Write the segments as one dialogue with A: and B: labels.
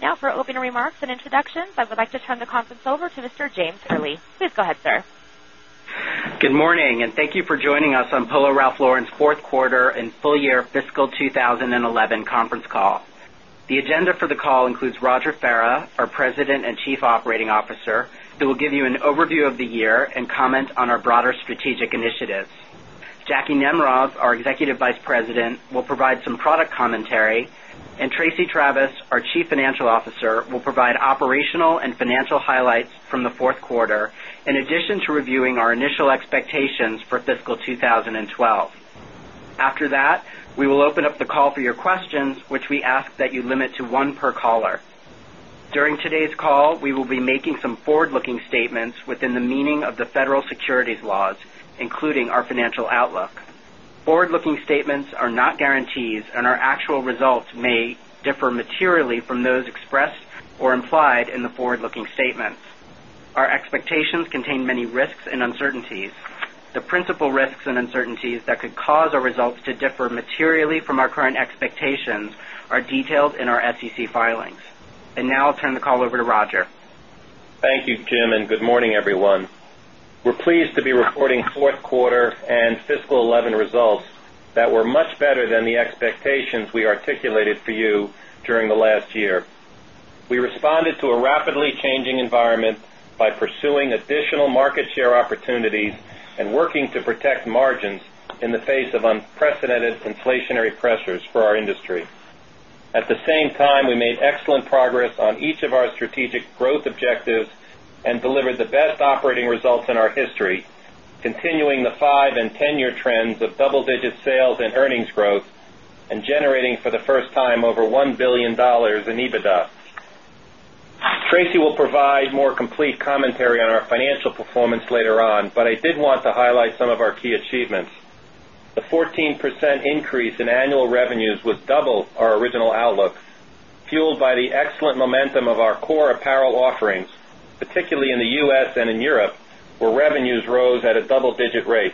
A: Now for opening remarks and introductions, I would like to turn the conference over to Mr. James Hurley. Please go ahead, sir.
B: Good morning, and thank you for joining us on Polo Ralph Lauren's Fourth Quarter and Full-Year Fiscal 2011 Conference Call. The agenda for the call includes Roger Farah, our President and Chief Operating Officer, who will give you an overview of the year and comment on our broader strategic initiatives. Jackie Nemerov, our Executive Vice President, will provide some product commentary, and Tracey Travis, our Chief Financial Officer, will provide operational and financial highlights from the fourth quarter, in addition to reviewing our initial expectations for fiscal 2012. After that, we will open up the call for your questions, which we ask that you limit to one per caller. During today's call, we will be making some forward-looking statements within the meaning of the federal securities laws, including our financial outlook. Forward-looking statements are not guarantees, and our actual results may differ materially from those expressed or implied in the forward-looking statements. Our expectations contain many risks and uncertainties. The principal risks and uncertainties that could cause our results to differ materially from our current expectations are detailed in our SEC filings. Now I'll turn the call over to Roger.
C: Thank you, Jim, and good morning, everyone. We're pleased to be reporting fourth quarter and fiscal 2011 results that were much better than the expectations we articulated for you during the last year. We responded to a rapidly changing environment by pursuing additional market share opportunities and working to protect margins in the face of unprecedented inflationary pressures for our industry. At the same time, we made excellent progress on each of our strategic growth objectives and delivered the best operating results in our history, continuing the five and 10-year trends of double-digit sales and earnings growth, and generating for the first time over $1 billion in EBITDA. Tracey will provide more complete commentary on our financial performance later on, but I did want to highlight some of our key achievements. The 14% increase in annual revenues was double our original outlook, fueled by the excellent momentum of our core apparel offerings, particularly in the U.S. and in Europe, where revenues rose at a double-digit rate.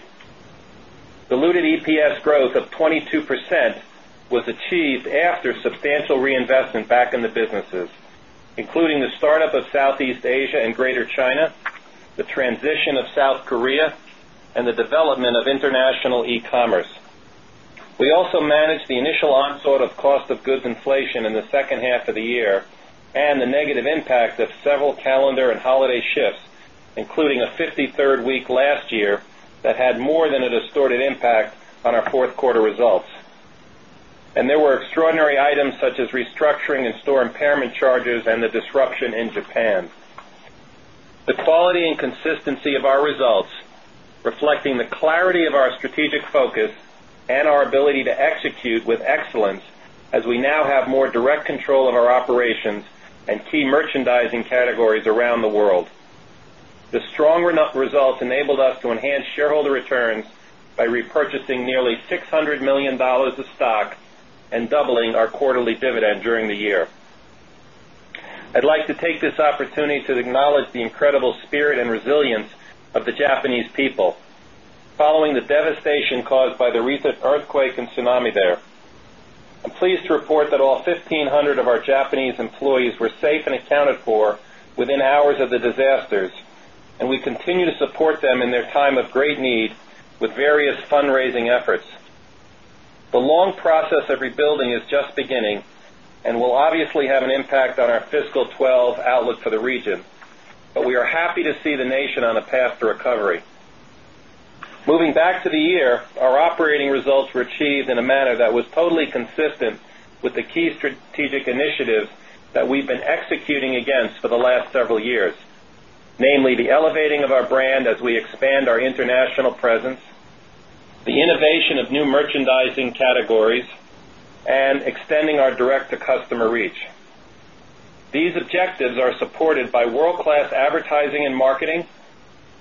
C: The diluted EPS growth of 22% was achieved after substantial reinvestment back in the businesses, including the start-up of Southeast Asia and Greater China, the transition of South Korea, and the development of international e-commerce. We also managed the initial onslaught of cost of goods inflation in the second half of the year and the negative impact of several calendar and holiday shifts, including a 53rd week last year that had more than a distorted impact on our fourth quarter results. There were extraordinary items such as restructuring and store impairment charges and the disruption in Japan. The quality and consistency of our results reflect the clarity of our strategic focus and our ability to execute with excellence as we now have more direct control of our operations and key merchandising categories around the world. The strong results enabled us to enhance shareholder returns by repurchasing nearly $600 million of stock and doubling our quarterly dividend during the year. I'd like to take this opportunity to acknowledge the incredible spirit and resilience of the Japanese people following the devastation caused by the recent earthquake and tsunami there. I'm pleased to report that all 1,500 of our Japanese employees were safe and accounted for within hours of the disasters, and we continue to support them in their time of great need with various fundraising efforts. The long process of rebuilding is just beginning and will obviously have an impact on our fiscal 2012 outlook for the region, but we are happy to see the nation on a path to recovery. Moving back to the year, our operating results were achieved in a manner that was totally consistent with the key strategic initiatives that we've been executing against for the last several years, namely the elevating of our brand as we expand our international presence, the innovation of new merchandising categories, and extending our direct-to-consumer reach. These objectives are supported by world-class advertising and marketing,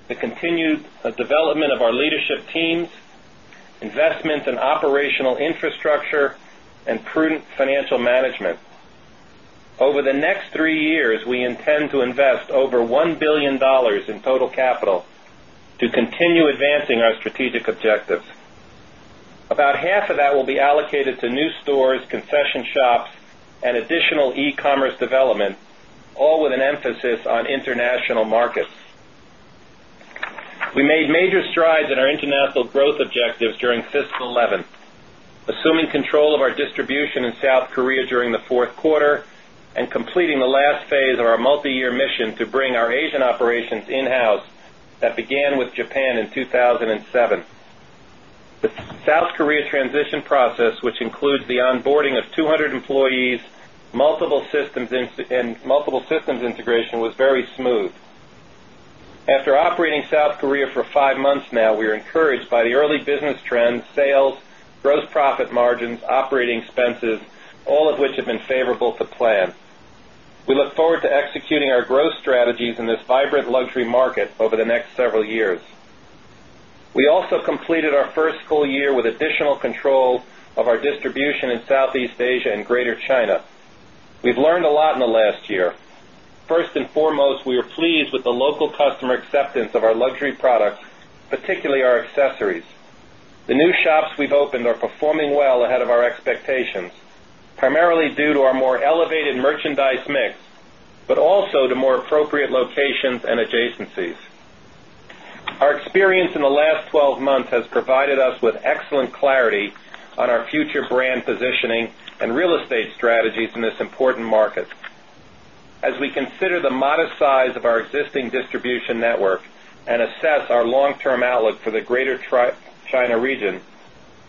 C: the continued development of our leadership teams, investments in operational infrastructure, and prudent financial management. Over the next three years, we intend to invest over $1 billion in total capital to continue advancing our strategic objectives. About half of that will be allocated to new stores, concession shops, and additional e-commerce development, all with an emphasis on international markets. We made major strides in our international growth objectives during fiscal 2011, assuming control of our distribution in South Korea during the fourth quarter and completing the last phase of our multi-year mission to bring our Asian operations in-house that began with Japan in 2007. The South Korea transition process, which includes the onboarding of 200 employees, multiple systems integration, was very smooth. After operating South Korea for five months now, we are encouraged by the early business trends, sales, gross profit margins, and operating expenses, all of which have been favorable to plan. We look forward to executing our growth strategies in this vibrant luxury market over the next several years. We also completed our first full year with additional control of our distribution in Southeast Asia and Greater China. We've learned a lot in the last year. First and foremost, we are pleased with the local customer acceptance of our luxury products, particularly our accessories. The new shops we've opened are performing well ahead of our expectations, primarily due to our more elevated merchandise mix, but also to more appropriate locations and adjacencies. Our experience in the last 12 months has provided us with excellent clarity on our future brand positioning and real estate strategies in this important market. As we consider the modest size of our existing distribution network and assess our long-term outlook for the Greater China region,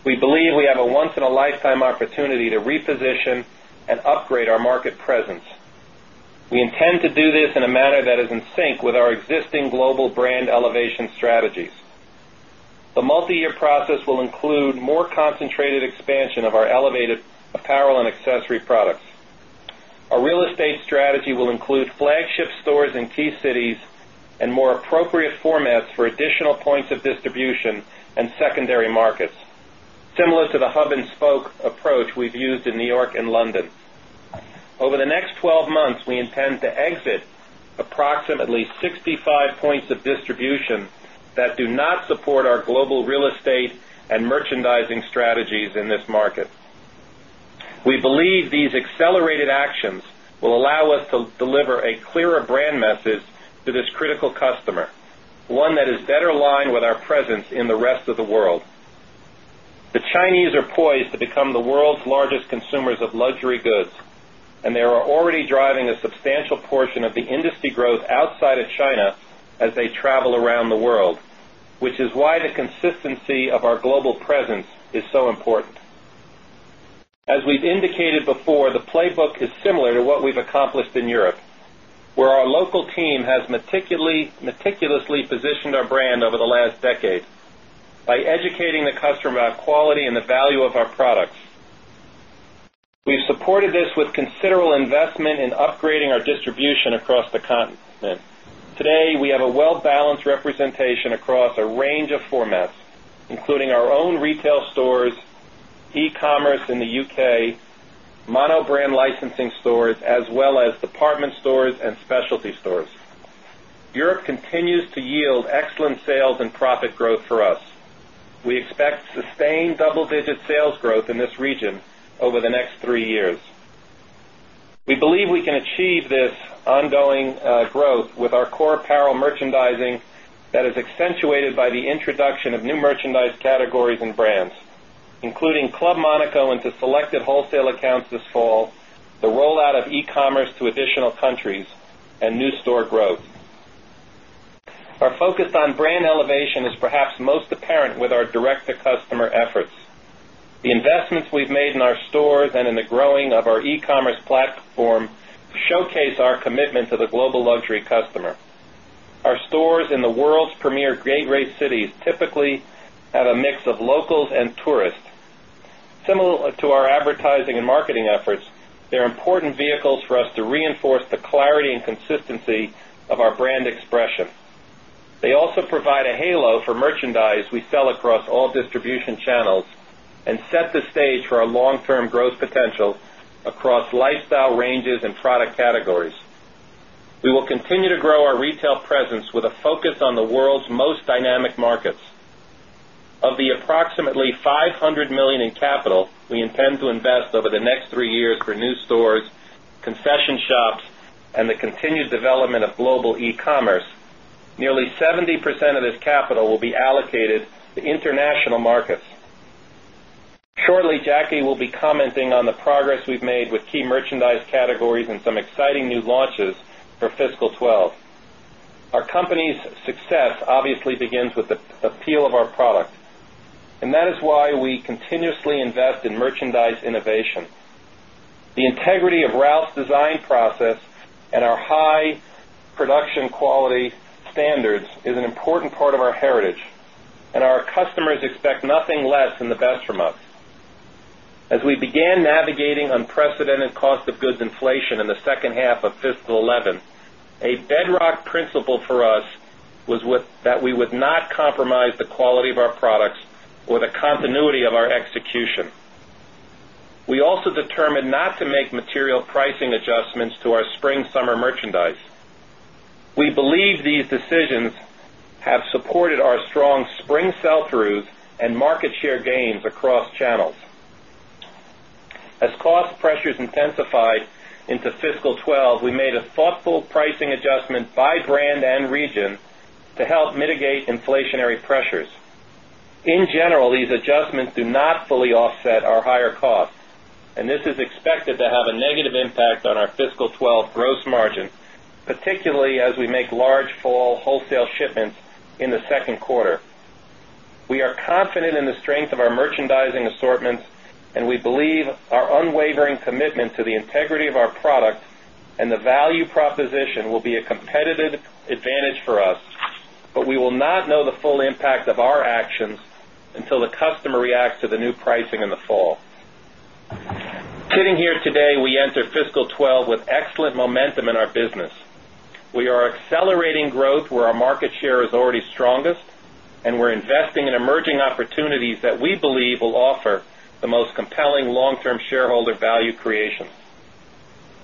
C: we believe we have a once-in-a-lifetime opportunity to reposition and upgrade our market presence. We intend to do this in a manner that is in sync with our existing global brand elevation strategies. The multi-year process will include more concentrated expansion of our elevated apparel and accessory products. Our real estate strategy will include flagship stores in key cities and more appropriate formats for additional points of distribution and secondary markets, similar to the hub-and-spoke approach we've used in New York and London. Over the next 12 months, we intend to exit approximately 65 points of distribution that do not support our global real estate and merchandising strategies in this market. We believe these accelerated actions will allow us to deliver a clearer brand message to this critical customer, one that is better aligned with our presence in the rest of the world. The Chinese are poised to become the world's largest consumers of luxury goods, and they are already driving a substantial portion of the industry growth outside of China as they travel around the world, which is why the consistency of our global presence is so important. As we've indicated before, the playbook is similar to what we've accomplished in Europe, where our local team has meticulously positioned our brand over the last decade by educating the customer about quality and the value of our products. We've supported this with considerable investment in upgrading our distribution across the continent. Today, we have a well-balanced representation across a range of formats, including our own retail stores, e-commerce in the U.K., monobrand licensing stores, as well as department stores and specialty stores. Europe continues to yield excellent sales and profit growth for us. We expect sustained double-digit sales growth in this region over the next three years. We believe we can achieve this ongoing growth with our core apparel merchandising that is accentuated by the introduction of new merchandise categories and brands, including Club Monaco into selected wholesale accounts this fall, the rollout of e-commerce to additional countries, and new store growth. Our focus on brand elevation is perhaps most apparent with our direct-to-customer efforts. The investments we've made in our stores and in the growing of our e-commerce platform showcase our commitment to the global luxury customer. Our stores in the world's premier gateway cities typically have a mix of locals and tourists. Similar to our advertising and marketing efforts, they're important vehicles for us to reinforce the clarity and consistency of our brand expression. They also provide a halo for merchandise we sell across all distribution channels and set the stage for our long-term growth potential across lifestyle ranges and product categories. We will continue to grow our retail presence with a focus on the world's most dynamic markets. Of the approximately $500 million in capital, we intend to invest over the next three years for new stores, concession shops, and the continued development of global e-commerce. Nearly 70% of this capital will be allocated to international markets. Shortly, Jackie will be commenting on the progress we've made with key merchandise categories and some exciting new launches for fiscal 2012. Our company's success obviously begins with the appeal of our product, and that is why we continuously invest in merchandise innovation. The integrity of Ralph's design process and our high production quality standards is an important part of our heritage, and our customers expect nothing less than the best from us. As we began navigating unprecedented cost of goods inflation in the second half of fiscal 2011, a bedrock principle for us was that we would not compromise the quality of our products or the continuity of our execution. We also determined not to make material pricing adjustments to our spring/summer merchandise. We believe these decisions have supported our strong spring sell-throughs and market share gains across channels. As cost pressures intensified into fiscal 2012, we made a thoughtful pricing adjustment by brand and region to help mitigate inflationary pressures. In generally, these adjustments do not fully offset our higher costs, and this is expected to have a negative impact on our fiscal 2012 gross margin, particularly as we make large fall wholesale shipments in the second quarter. We are confident in the strength of our merchandising assortments, and we believe our unwavering commitment to the integrity of our product and the value proposition will be a competitive advantage for us, but we will not know the full impact of our actions until the customer reacts to the new pricing in the fall. Sitting here today, we enter fiscal 2012 with excellent momentum in our business. We are accelerating growth where our market share is already strongest, and we're investing in emerging opportunities that we believe will offer the most compelling long-term shareholder value creation.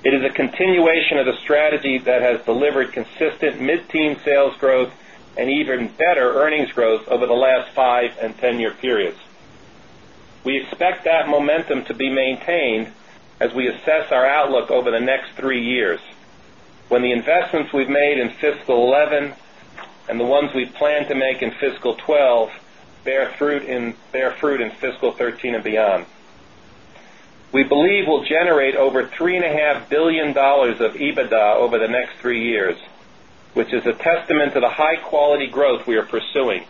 C: It is a continuation of the strategy that has delivered consistent mid-teens sales growth and even better earnings growth over the last five and 10-year periods. We expect that momentum to be maintained as we assess our outlook over the next three years, when the investments we've made in fiscal 2011 and the ones we plan to make in fiscal 2012 bear fruit in fiscal 2013 and beyond. We believe we'll generate over $3.5 billion of EBITDA over the next three years, which is a testament to the high-quality growth we are pursuing.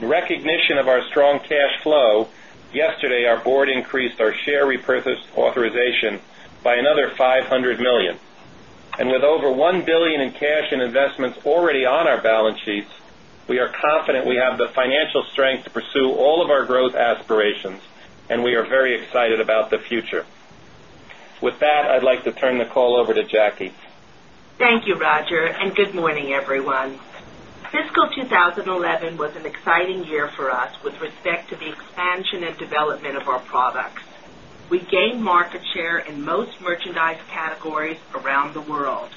C: In recognition of our strong cash flow, yesterday our board increased our share repurchase authorization by another $500 million. With over $1 billion in cash and investments already on our balance sheets, we are confident we have the financial strength to pursue all of our growth aspirations, and we are very excited about the future. With that, I'd like to turn the call over to Jacky.
D: Thank you, Roger, and good morning, everyone. Fiscal 2011 was an exciting year for us with respect to the expansion and development of our products. We gained market share in most merchandise categories around the world.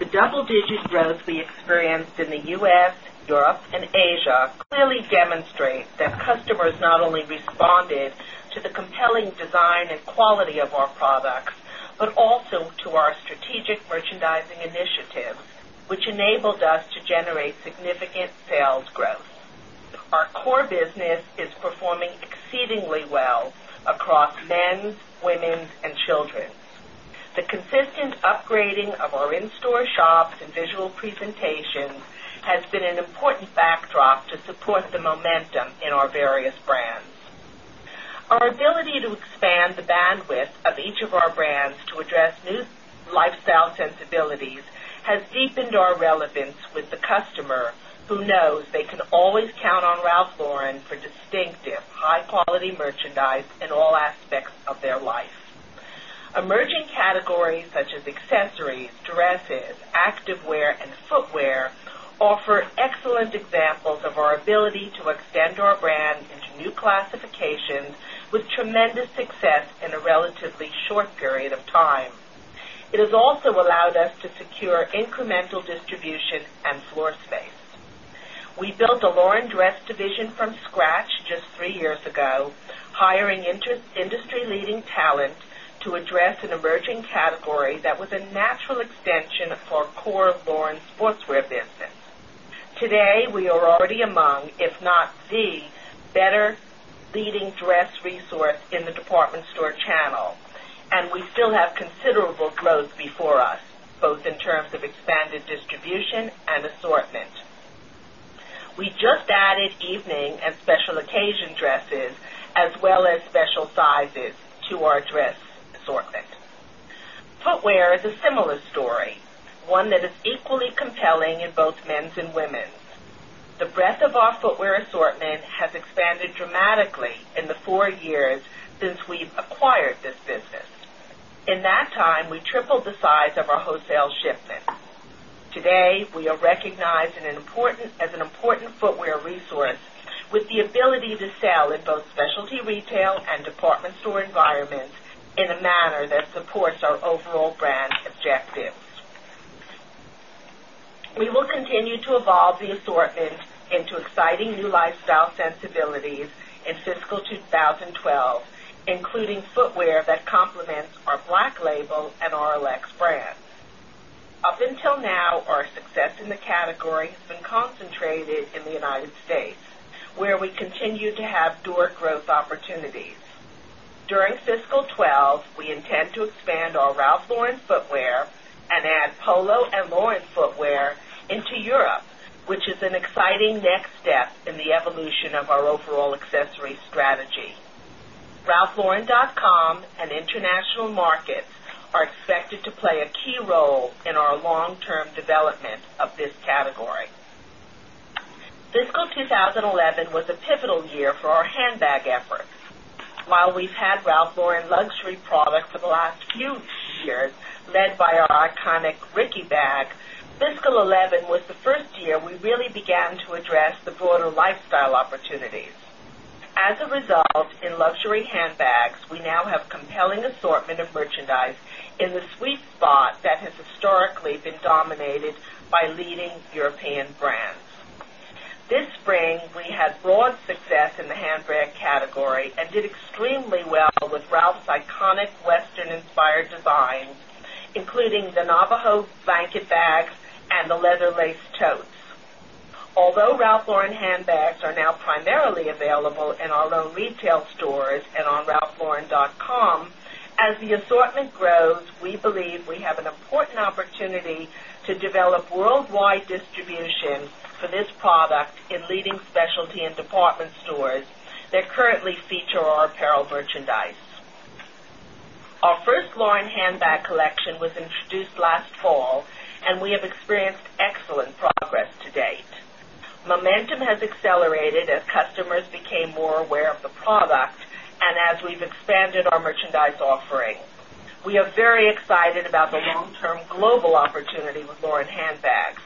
D: The double-digit growth we experienced in the U.S., Europe, and Asia clearly demonstrates that customers not only responded to the compelling design and quality of our products, but also to our strategic merchandising initiative, which enabled us to generate significant sales growth. Our core business is performing exceedingly well across men's, women's, and children's. The consistent upgrading of our in-store shops and visual presentations has been an important backdrop to support the momentum in our various brands. Our ability to expand the bandwidth of each of our brands to address new lifestyle sensibilities has deepened our relevance with the customer who knows they can always count on Ralph Lauren for distinctive, high-quality merchandise in all aspects of their life. Emerging categories such as accessories, dresses, activewear, and footwear offer excellent examples of our ability to extend our brand into new classifications with tremendous success in a relatively short period of time. It has also allowed us to secure incremental distribution and floor space. We built the Lauren Dress Division from scratch just three years ago, hiring industry-leading talent to address an emerging category that was a natural extension of our core Lauren sportswear business. Today, we are already among, if not the, better leading dress resource in the department store channel, and we still have considerable growth before us, both in terms of expanded distribution and assortment. We just added evening and special occasion dresses, as well as special sizes, to our dress assortment. Footwear is a similar story, one that is equally compelling in both men's and women's. The breadth of our footwear assortment has expanded dramatically in the four years since we acquired this business. In that time, we tripled the size of our hotel shipments. Today, we are recognized as an important footwear resource with the ability to sell in both specialty retail and department store environments in a manner that supports our overall brand objectives. We will continue to evolve the assortment into exciting new lifestyle sensibilities in fiscal 2012, including footwear that complements our Black Label and RLX brands. Up until now, our success in the category has been concentrated in the United States, where we continue to have growth opportunities. During fiscal 2012, we intend to expand our Ralph Lauren footwear and add Polo and Lauren footwear into Europe, which is an exciting next step in the evolution of our overall accessories strategy. Ralphlauren.com and international markets are expected to play a key role in our long-term development of this category. Fiscal 2011 was a pivotal year for our handbag efforts. While we've had Ralph Lauren luxury products for the last few years, led by our iconic Ricky Bag, fiscal 2011 was the first year we really began to address the broader lifestyle opportunities. As a result, in luxury handbags, we now have a compelling assortment of merchandise in the sweet spot that has historically been dominated by leading European brands. This spring, we had broad success in the handbag category and did extremely well with Ralph's iconic Western-inspired designs, including the Navajo blanket bags and the leather lace tote. Although Ralph Lauren handbags are now primarily available in our own retail stores and on ralphlauren.com, as the assortment grows, we believe we have an important opportunity to develop worldwide distribution for this product in leading specialty and department stores that currently feature our apparel merchandise. Our first Lauren handbag collection was introduced last fall, and we have experienced excellent progress to date. Momentum has accelerated as customers became more aware of the product and as we've expanded our merchandise offering. We are very excited about the long-term global opportunity with Lauren handbags,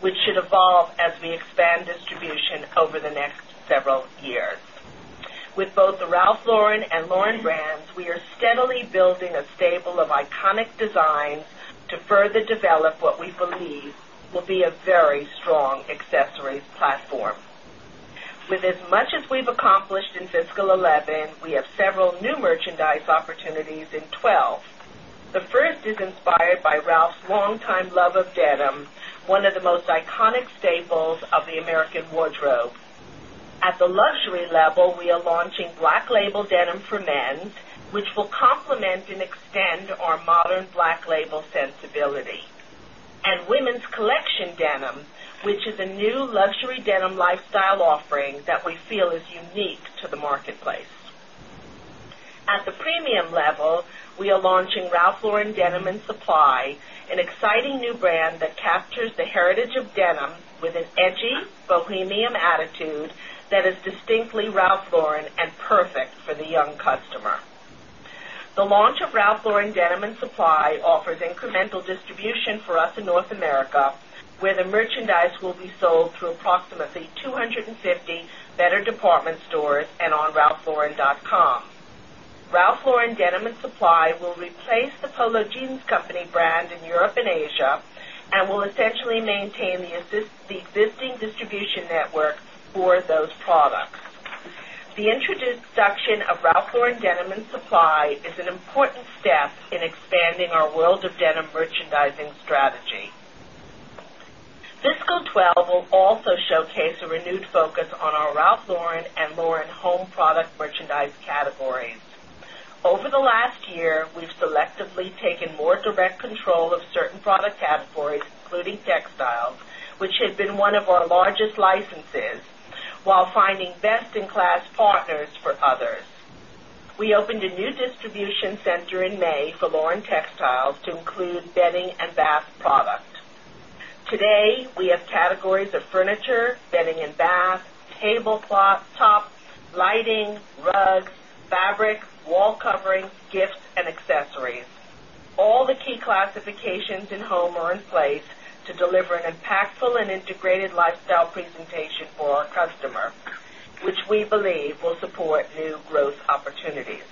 D: which should evolve as we expand distribution over the next several years. With both the Ralph Lauren and Lauren brands, we are steadily building a staple of iconic designs to further develop what we believe will be a very strong accessories platform. With as much as we've accomplished in fiscal 2011, we have several new merchandise opportunities in 2012. The first is inspired by Ralph's long-time love of denim, one of the most iconic staples of the American wardrobe. At the luxury level, we are launching Black Label denim for men, which will complement and extend our modern Black Label sensibility, and women's collection denim, which is a new luxury denim lifestyle offering that we feel is unique to the marketplace. At the premium level, we are launching Ralph Lauren Denim & Supply, an exciting new brand that captures the heritage of denim with an edgy, bohemian attitude that is distinctly Ralph Lauren and perfect for the young customer. The launch of Ralph Lauren Denim & Supply offers incremental distribution for us in North America, where the merchandise will be sold through approximately 250 better department stores and on ralphlauren.com. Ralph Lauren Denim & Supply will replace the Polo Jeans Company brand in Europe and Asia and will essentially maintain the existing distribution network for those products. The introduction of Ralph Lauren Denim & Supply is an important step in expanding our world of denim merchandising strategy. Fiscal 2012 will also showcase a renewed focus on our Ralph Lauren and Lauren home product merchandise categories. Over the last year, we've selectively taken more direct control of certain product categories, including textiles, which had been one of our largest licenses, while finding best-in-class partners for others. We opened a new distribution center in May for Lauren textiles to include bedding and bath products. Today, we have categories of furniture, bedding and bath, tablecloth, tops, lighting, rugs, fabrics, wall coverings, gifts, and accessories. All the key classifications in home are in place to deliver an impactful and integrated lifestyle presentation for our customers, which we believe will support new growth opportunities.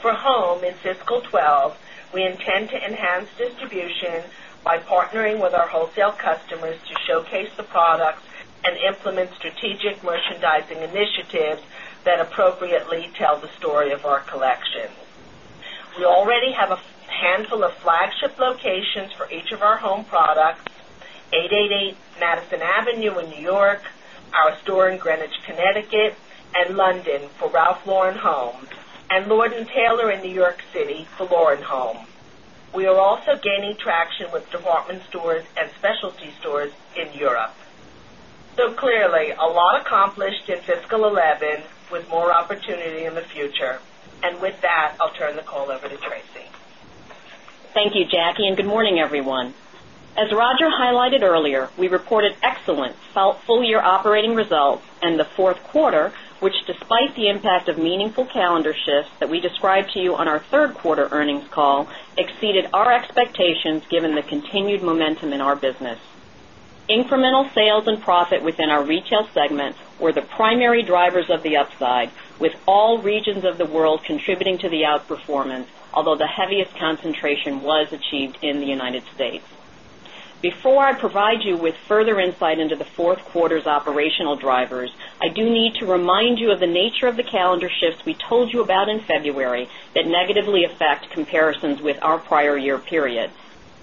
D: For home, in fiscal 2012, we intend to enhance distribution by partnering with our wholesale customers to showcase the products and implement strategic merchandising initiatives that appropriately tell the story of our collection. We already have a handful of flagship locations for each of our home products: 888 Madison Avenue in New York, our store in Greenwich, Connecticut, and London for Ralph Lauren home, and Lord & Taylor in New York City for Lauren Home. We are also gaining traction with department stores and specialty stores in Europe. Clearly, a lot was accomplished in fiscal 2011 with more opportunity in the future. With that, I'll turn the call over to Tracey.
C: Thank you, Jackie, and good morning, everyone. As Roger highlighted earlier, we reported excellent full-year operating results, and the fourth quarter, which despite the impact of meaningful calendar shifts that we described to you on our third quarter earnings call, exceeded our expectations given the continued momentum in our business. Incremental sales and profit within our retail segment were the primary drivers of the upside, with all regions of the world contributing to the outperformance, although the heaviest concentration was achieved in the United States. Before I provide you with further insight into the fourth quarter's operational drivers, I do need to remind you of the nature of the calendar shifts we told you about in February that negatively affect comparisons with our prior year period,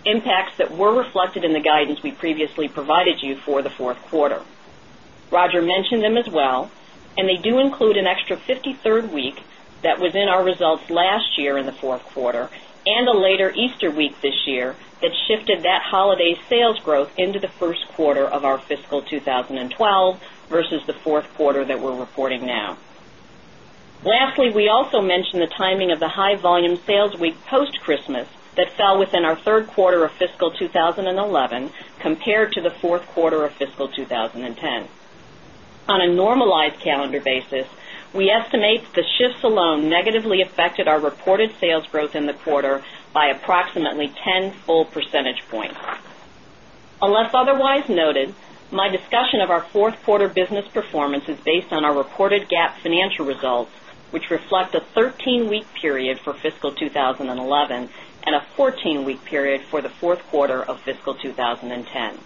C: impacts that were reflected in the guidance we previously provided you for the fourth quarter. Roger mentioned them as well, and they do include an extra 53rd week that was in our results last year in the fourth quarter and a later Easter week this year that shifted that holiday sales growth into the first quarter of our fiscal 2012 versus the fourth quarter that we're reporting now. Lastly, we also mentioned the timing of the high-volume sales week post-Christmas that fell within our third quarter of fiscal 2011 compared to the fourth quarter of fiscal 2010. On a normalized calendar basis, we estimate that the shifts alone negatively affected our reported sales growth in the quarter by approximately 10 full percentage points. Unless otherwise noted, my discussion of our fourth quarter business performance is based on our reported GAAP financial results, which reflect a 13-week period for fiscal 2011 and a 14-week period for the fourth quarter of fiscal 2010.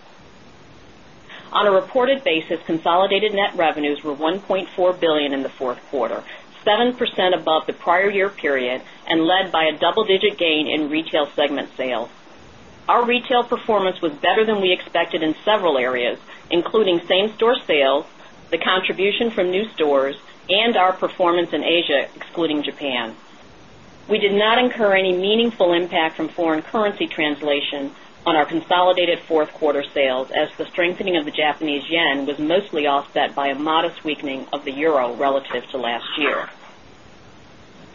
C: On a reported basis, consolidated net revenues were $1.4 billion in the fourth quarter, 7% above the prior year period and led by a double-digit gain in retail segment sales. Our retail performance was better than we expected in several areas, including same-store sales, the contribution from new stores, and our performance in Asia, excluding Japan. We did not incur any meaningful impact from foreign currency translation on our consolidated fourth quarter sales, as the strengthening of the Japanese yen was mostly offset by a modest weakening of the euro relative to last year.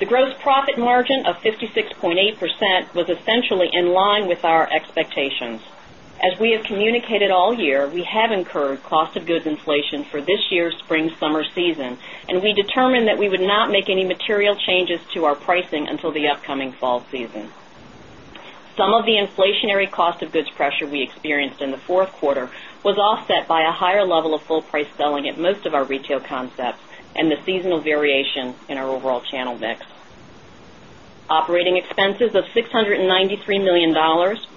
C: The gross profit margin of 56.8% was essentially in line with our expectations. As we have communicated all year, we have incurred cost of goods inflation for this year's spring/summer season, and we determined that we would not make any material changes to our pricing until the upcoming fall season. Some of the inflationary cost of goods pressure we experienced in the fourth quarter was offset by a higher level of full-price selling at most of our retail concepts and the seasonal variation in our overall channel mix. Operating expenses of $693 million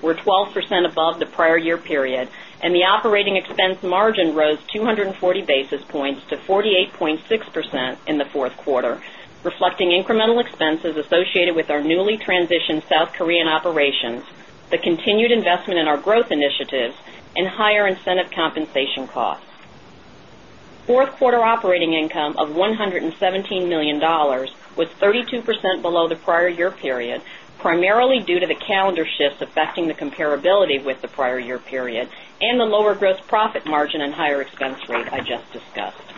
C: were 12% above the prior year period, and the operating expense margin rose 240 basis points to 48.6% in the fourth quarter, reflecting incremental expenses associated with our newly transitioned South Korean operations, the continued investment in our growth initiatives, and higher incentive compensation costs. Fourth quarter operating income of $117 million was 32% below the prior year period, primarily due to the calendar shifts affecting the comparability with the prior year period and the lower gross profit margin and higher expense rate I just discussed.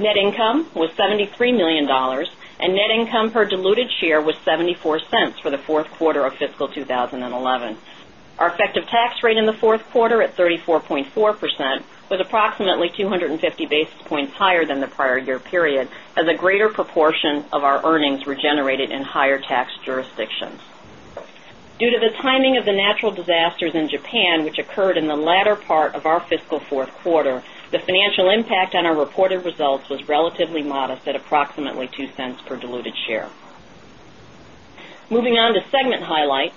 C: Net income was $73 million, and net income per diluted share was $0.74 for the fourth quarter of fiscal 2011. Our effective tax rate in the fourth quarter at 34.4% was approximately 250 basis points higher than the prior year period, as a greater proportion of our earnings were generated in higher tax jurisdictions. Due to the timing of the natural disasters in Japan, which occurred in the latter part of our fiscal fourth quarter, the financial impact on our reported results was relatively modest at approximately $0.02 per diluted share. Moving on to segment highlights,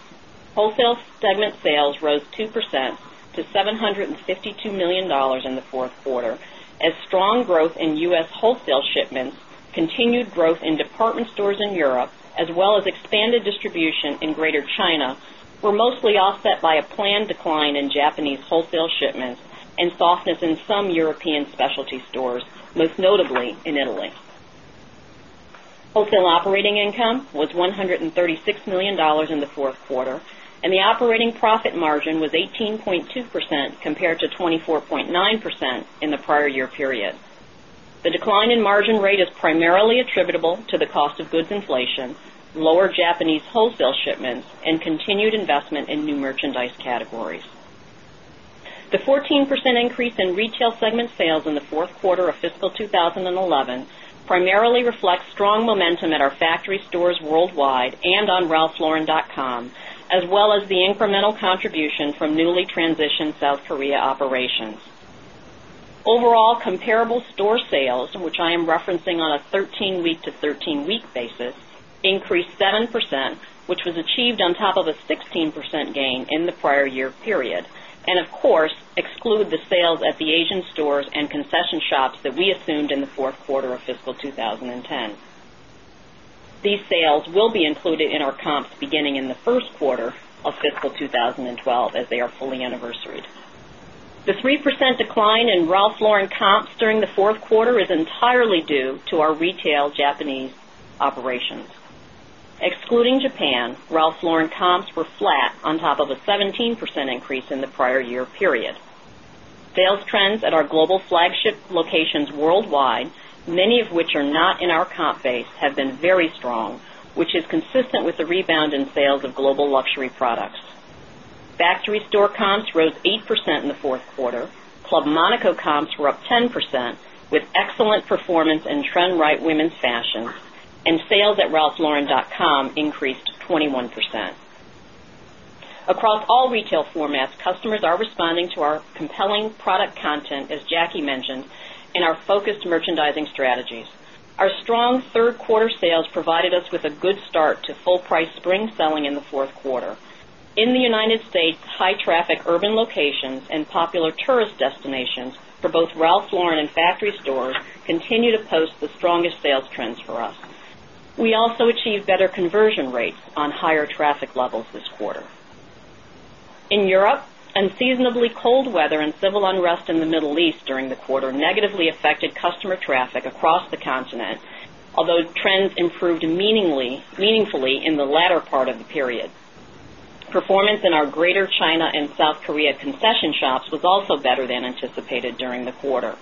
C: wholesale segment sales rose 2% to $752 million in the fourth quarter, as strong growth in U.S. wholesale shipments, continued growth in department stores in Europe, as well as expanded distribution in Greater China, were mostly offset by a planned decline in Japanese wholesale shipments and softness in some European specialty stores, most notably in Italy. Wholesale operating income was $136 million in the fourth quarter, and the operating profit margin was 18.2% compared to 24.9% in the prior year period. The decline in margin rate is primarily attributable to the cost of goods inflation, lower Japanese wholesale shipments, and continued investment in new merchandise categories. The 14% increase in retail segment sales in the fourth quarter of fiscal 2011 primarily reflects strong momentum at our factory stores worldwide and on ralphlauren.com, as well as the incremental contribution from newly transitioned South Korea operations. Overall, comparable store sales, which I am referencing on a 13-week to 13-week basis, increased 7%, which was achieved on top of a 16% gain in the prior year period, and of course, exclude the sales at the Asian stores and concession shops that we assumed in the fourth quarter of fiscal 2010. These sales will be included in our comps beginning in the first quarter of fiscal 2012 as they are fully anniversaried. The 3% decline in Ralph Lauren comps during the fourth quarter is entirely due to our retail Japanese operations. Excluding Japan, Ralph Lauren comps were flat on top of a 17% increase in the prior year period. Sales trends at our global flagship locations worldwide, many of which are not in our comp base, have been very strong, which is consistent with the rebound in sales of global luxury products. Factory store comps rose 8% in the fourth quarter. Club Monaco comps were up 10%, with excellent performance in Trend Rite women's fashions, and sales at ralphlauren.com increased 21%. Across all retail formats, customers are responding to our compelling product content, as Jackie mentioned, and our focused merchandising strategies. Our strong third-quarter sales provided us with a good start to full-price spring selling in the fourth quarter. In the United States, high-traffic urban locations and popular tourist destinations for both Ralph Lauren and factory stores continue to post the strongest sales trends for us. We also achieved better conversion rates on higher traffic levels this quarter. In Europe, unseasonably cold weather and civil unrest in the Middle East during the quarter negatively affected customer traffic across the continent, although trends improved meaningfully in the latter part of the period. Performance in our Greater China and South Korea concession shops was also better than anticipated during the quarter.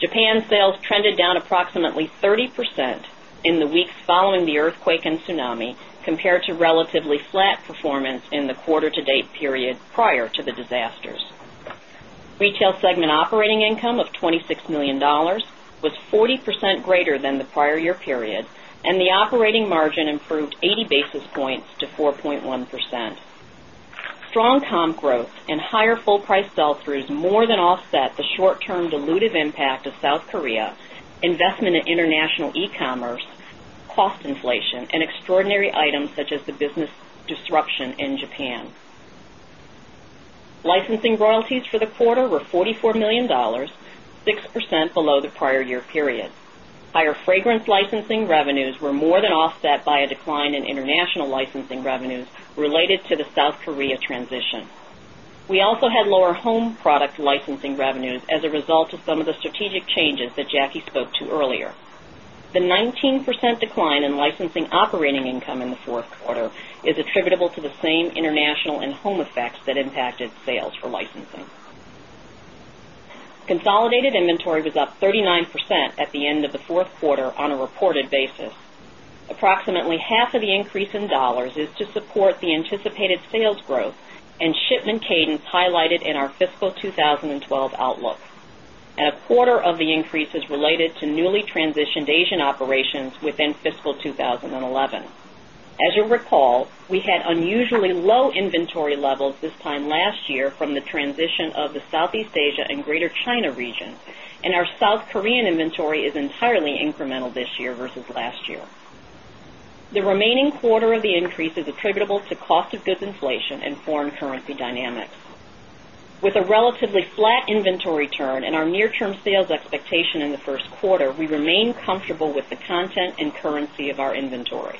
C: Japan's sales trended down approximately 30% in the weeks following the earthquake and tsunami, compared to relatively flat performance in the quarter-to-date period prior to the disasters. Retail segment operating income of $26 million was 40% greater than the prior year period, and the operating margin improved 80 basis points to 4.1%. Strong comp growth and higher full-price sell-throughs more than offset the short-term dilutive impact of South Korea, investment in international e-commerce, cost inflation, and extraordinary items such as the business disruption in Japan. Licensing royalties for the quarter were $44 million, 6% below the prior year period. Higher fragrance licensing revenues were more than offset by a decline in international licensing revenues related to the South Korea transition. We also had lower home product licensing revenues as a result of some of the strategic changes that Jackie spoke to earlier. The 19% decline in licensing operating income in the fourth quarter is attributable to the same international and home effects that impacted sales for licensing. Consolidated inventory was up 39% at the end of the fourth quarter on a reported basis. Approximately half of the increase in dollars is to support the anticipated sales growth and shipment cadence highlighted in our fiscal 2012 outlook. A quarter of the increase is related to newly transitioned Asian operations within fiscal 2011. As you recall, we had unusually low inventory levels this time last year from the transition of the Southeast Asia and Greater China region, and our South Korean inventory is entirely incremental this year versus last year. The remaining quarter of the increase is attributable to cost of goods inflation and foreign currency dynamics. With a relatively flat inventory turn and our near-term sales expectation in the first quarter, we remain comfortable with the content and currency of our inventory.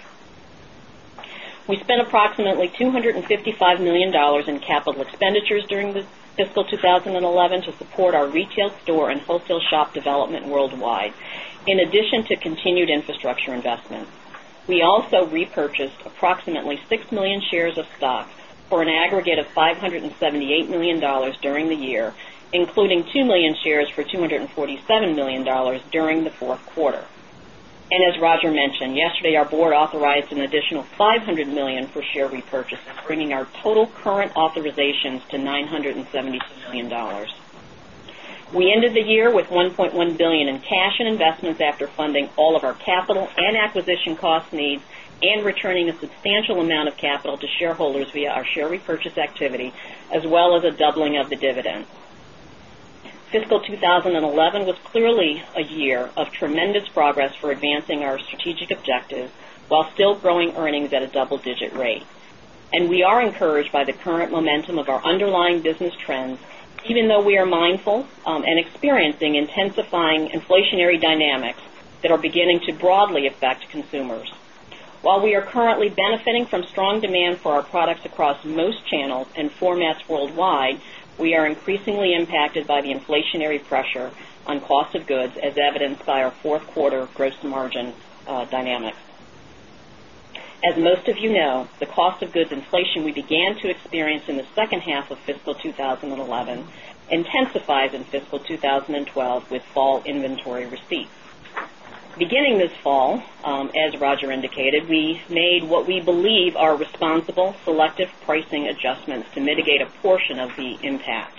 C: We spent approximately $255 million in capital expenditures during fiscal 2011 to support our retail store and wholesale shop development worldwide, in addition to continued infrastructure investments. We also repurchased approximately 6 million shares of stock for an aggregate of $578 million during the year, including 2 million shares for $247 million during the fourth quarter. Yesterday our board authorized an additional $500 million for share repurchases, bringing our total current authorizations to $976 million. We ended the year with $1.1 billion in cash and investments after funding all of our capital and acquisition cost needs and returning a substantial amount of capital to shareholders via our share repurchase activity, as well as a doubling of the dividend. Fiscal 2011 was clearly a year of tremendous progress for advancing our strategic objectives while still growing earnings at a double-digit rate. We are encouraged by the current momentum of our underlying business trends, even though we are mindful and experiencing intensifying inflationary dynamics that are beginning to broadly affect consumers. While we are currently benefiting from strong demand for our products across most channels and formats worldwide, we are increasingly impacted by the inflationary pressure on cost of goods, as evidenced by our fourth quarter gross margin dynamics. As most of you know, the cost of goods inflation we began to experience in the second half of fiscal 2011 intensifies in fiscal 2012 with fall inventory receipts. Beginning this fall, as Roger indicated, we made what we believe are responsible selective pricing adjustments to mitigate a portion of the impact.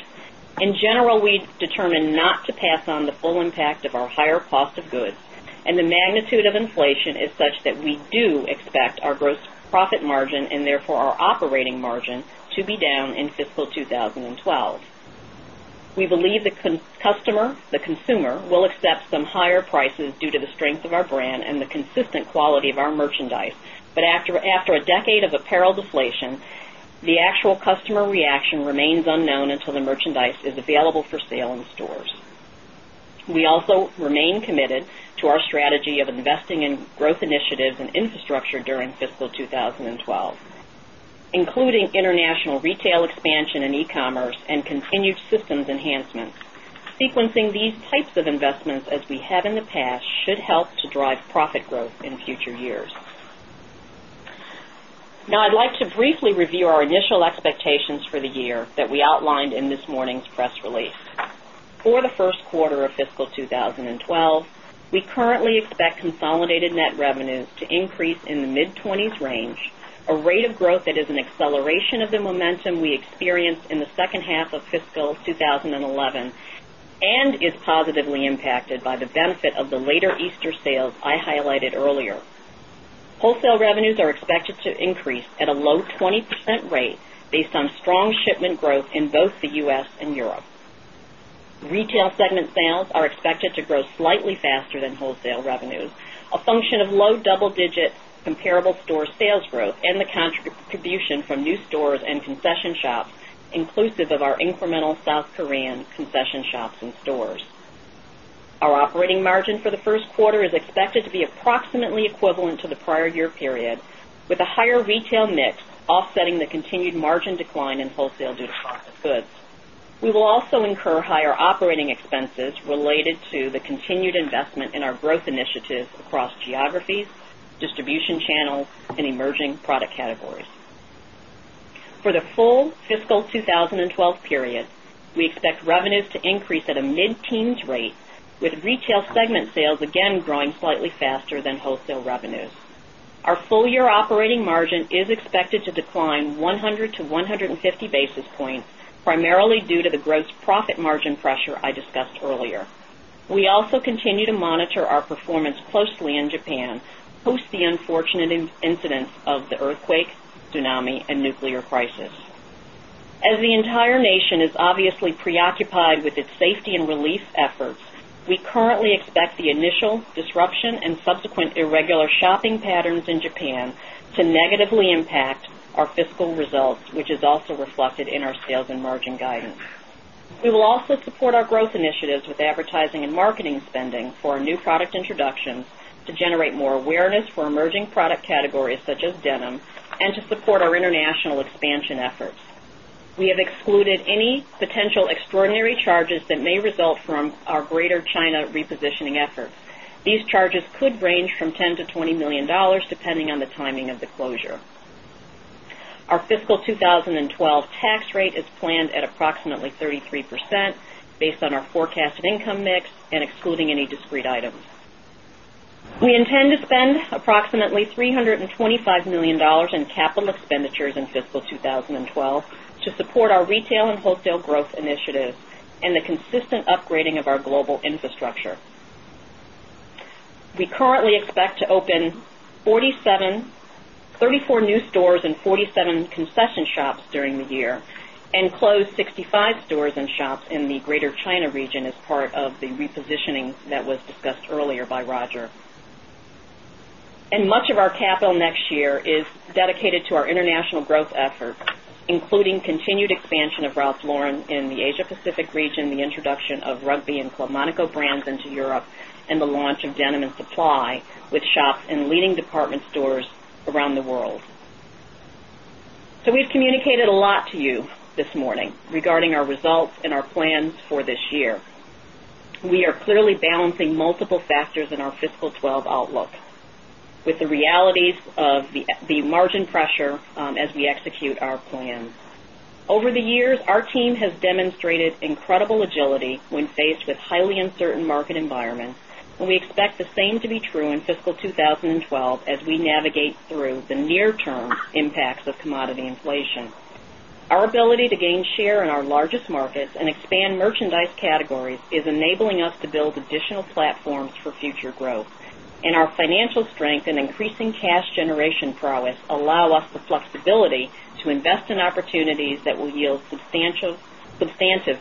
C: In general, we determined not to pass on the full impact of our higher cost of goods, and the magnitude of inflation is such that we do expect our gross profit margin and therefore our operating margin to be down in fiscal 2012. We believe the consumer will accept some higher prices due to the strength of our brand and the consistent quality of our merchandise, but after a decade of apparel deflation, the actual customer reaction remains unknown until the merchandise is available for sale in stores. We also remain committed to our strategy of investing in growth initiatives and infrastructure during fiscal 2012, including international retail expansion and e-commerce and continued systems enhancements. Sequencing these types of investments as we have in the past helps to drive profit growth in future years. Now I'd like to briefly review our initial expectations for the year that we outlined in this morning's press release. For the first quarter of fiscal 2012, we currently expect consolidated net revenues to increase in the mid-20% range, a rate of growth that is an acceleration of the momentum we experienced in the second half of fiscal 2011 and is positively impacted by the benefit of the later Easter sales I highlighted earlier. Wholesale revenues are expected to increase at a low 20% rate based on strong shipment growth in both the U.S. and Europe. Retail segment sales are expected to grow slightly faster than wholesale revenues, a function of low double-digit comparable store sales growth and the contribution from new stores and concession shops, inclusive of our incremental South Korean concession shops and stores. Our operating margin for the first quarter is expected to be approximately equivalent to the prior year period, with a higher retail niche offsetting the continued margin decline in wholesale duty-free goods. We will also incur higher operating expenses related to the continued investment in our growth initiatives across geographies, distribution channels, and emerging product categories. For the full fiscal 2012 period, we expect revenues to increase at a mid-teens rate, with retail segment sales again growing slightly faster than wholesale revenues. Our full-year operating margin is expected to decline 100 to 150 basis points, primarily due to the gross profit margin pressure I discussed earlier. We also continue to monitor our performance closely in Japan, post the unfortunate incidents of the earthquake, tsunami, and nuclear crisis. As the entire nation is obviously preoccupied with its safety and relief efforts, we currently expect the initial disruption and subsequent irregular shopping patterns in Japan to negatively impact our fiscal results, which is also reflected in our sales and margin guidance. We will also support our growth initiatives with advertising and marketing spending for our new product introductions to generate more awareness for emerging product categories such as denim and to support our international expansion efforts. We have excluded any potential extraordinary charges that may result from our Greater China repositioning efforts. These charges could range from $10 million to $20 million, depending on the timing of the closure. Our fiscal 2012 tax rate is planned at approximately 33% based on our forecasted income mix and excluding any discrete items. We intend to spend approximately $325 million in capital expenditures in fiscal 2012 to support our retail and wholesale growth initiatives and the consistent upgrading of our global infrastructure. We currently expect to open 34 new stores and 47 concession shops during the year and close 65 stores and shops in the Greater China region as part of the repositioning that was discussed earlier by Roger. Much of our capital next year is dedicated to our international growth efforts, including continued expansion of Ralph Lauren in the Asia-Pacific region, the introduction of Rugby and Club Monaco brands into Europe, and the launch of Ralph Lauren Denim & Supply with shops in leading department stores around the world. We have communicated a lot to you this morning regarding our results and our plans for this year. We are clearly balancing multiple factors in our fiscal 2012 outlook with the realities of the margin pressure as we execute our plans. Over the years, our team has demonstrated incredible agility when faced with highly uncertain market environments, and we expect the same to be true in fiscal 2012 as we navigate through the near-term impacts of commodity inflation. Our ability to gain share in our largest markets and expand merchandise categories is enabling us to build additional platforms for future growth, and our financial strength and increasing cash generation prowess allow us the flexibility to invest in opportunities that will yield substantive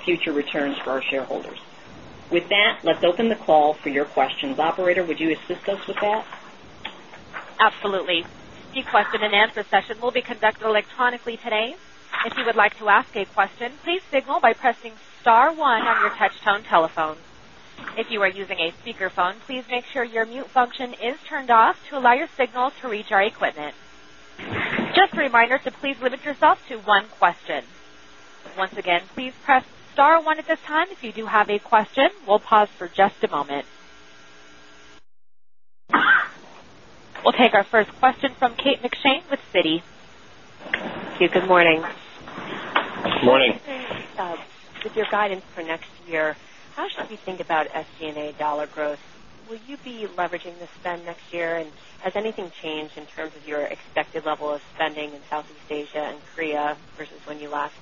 C: future returns for our shareholders. With that, let's open the call for your questions. Operator, would you assist us with that?
A: Absolutely. The question and answer session will be conducted electronically today. If you would like to ask a question, please signal by pressing star one on your touch-tone telephone. If you are using a speakerphone, please make sure your mute function is turned off to allow your signal to reach our equipment. Just a reminder to please limit yourself to one question. Once again, please press star one at this time if you do have a question. We'll pause for just a moment. We'll take our first question from Kate McShane with Citi.
E: Thank you. Good morning.
F: Good morning.
E: I'm curious, with your guidance for next year, how should you think about SG&A dollar growth? Will you be leveraging the spend next year, and has anything changed in terms of your expected level of spending in Southeast Asia and Korea versus when you last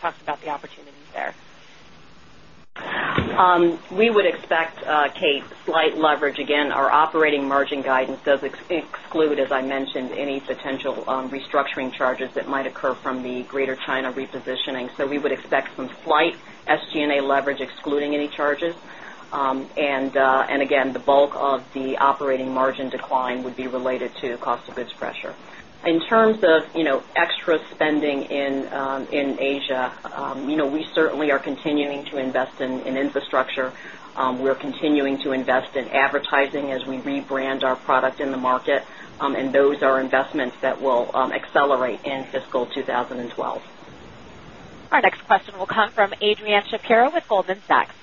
E: talked about the opportunity there?
C: We would expect, Kate, slight leverage. Our operating margin guidance does exclude, as I mentioned, any potential restructuring charges that might occur from the Greater China repositioning. We would expect some slight SG&A leverage, excluding any charges. The bulk of the operating margin decline would be related to cost of goods pressure. In terms of extra spending in Asia, we certainly are continuing to invest in infrastructure. We're continuing to invest in advertising as we rebrand our product in the market, and those are investments that will accelerate in fiscal 2012.
A: Our next question will come from Adrianne Shapira with Goldman Sachs.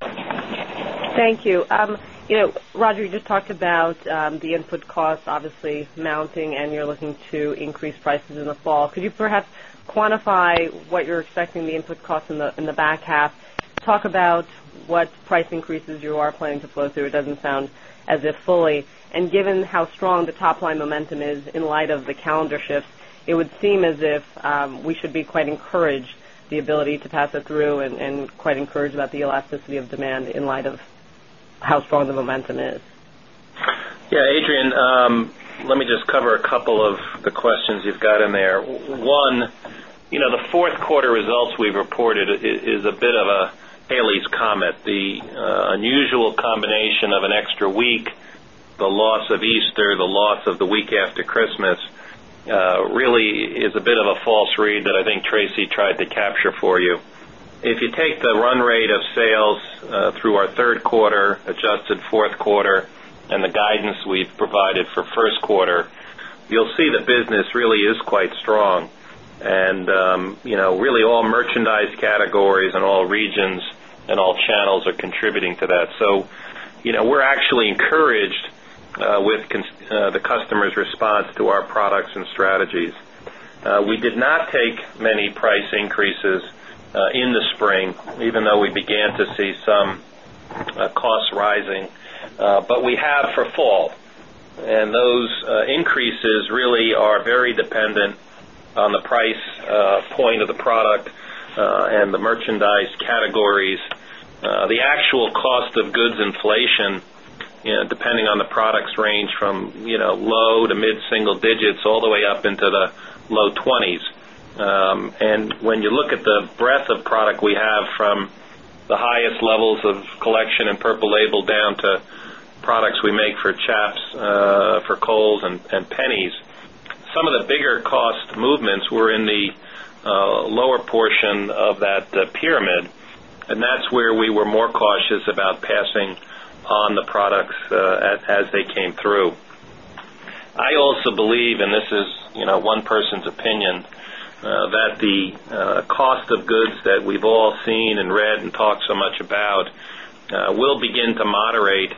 G: Thank you. Roger, you just talked about the input costs, obviously, mounting, and you're looking to increase prices in the fall. Could you perhaps quantify what you're expecting the input costs in the back half? Talk about what price increases you are planning to flow through. It doesn't sound as if fully. Given how strong the top-line momentum is in light of the calendar shifts, it would seem as if we should be quite encouraged by the ability to pass it through and quite encouraged about the elasticity of demand in light of how strong the momentum is.
F: Yeah, Adrianne, let me just cover a couple of the questions you've got in there. One, you know, the fourth quarter results we've reported is a bit of a Halley's Comet. The unusual combination of an extra week, the loss of Easter, the loss of the week after Christmas really is a bit of a false read that I think Tracey tried to capture for you. If you take the run rate of sales through our third quarter, adjusted fourth quarter, and the guidance we've provided for first quarter, you'll see that business really is quite strong. You know, really all merchandise categories and all regions and all channels are contributing to that. We're actually encouraged with the customer's response to our products and strategies. We did not take many price increases in the spring, even though we began to see some costs rising, but we have for fall. Those increases really are very dependent on the price point of the product and the merchandise categories. The actual cost of goods inflation, you know, depending on the products, range from, you know, low to mid-single digits all the way up into the low 20%. When you look at the breadth of product we have from the highest levels of collection and Purple Label down to products we make for Chaps, for Kohl's, and Penney's, some of the bigger cost movements were in the lower portion of that pyramid. That's where we were more cautious about passing on the products as they came through. I also believe, and this is, you know, one person's opinion, that the cost of goods that we've all seen and read and talked so much about will begin to moderate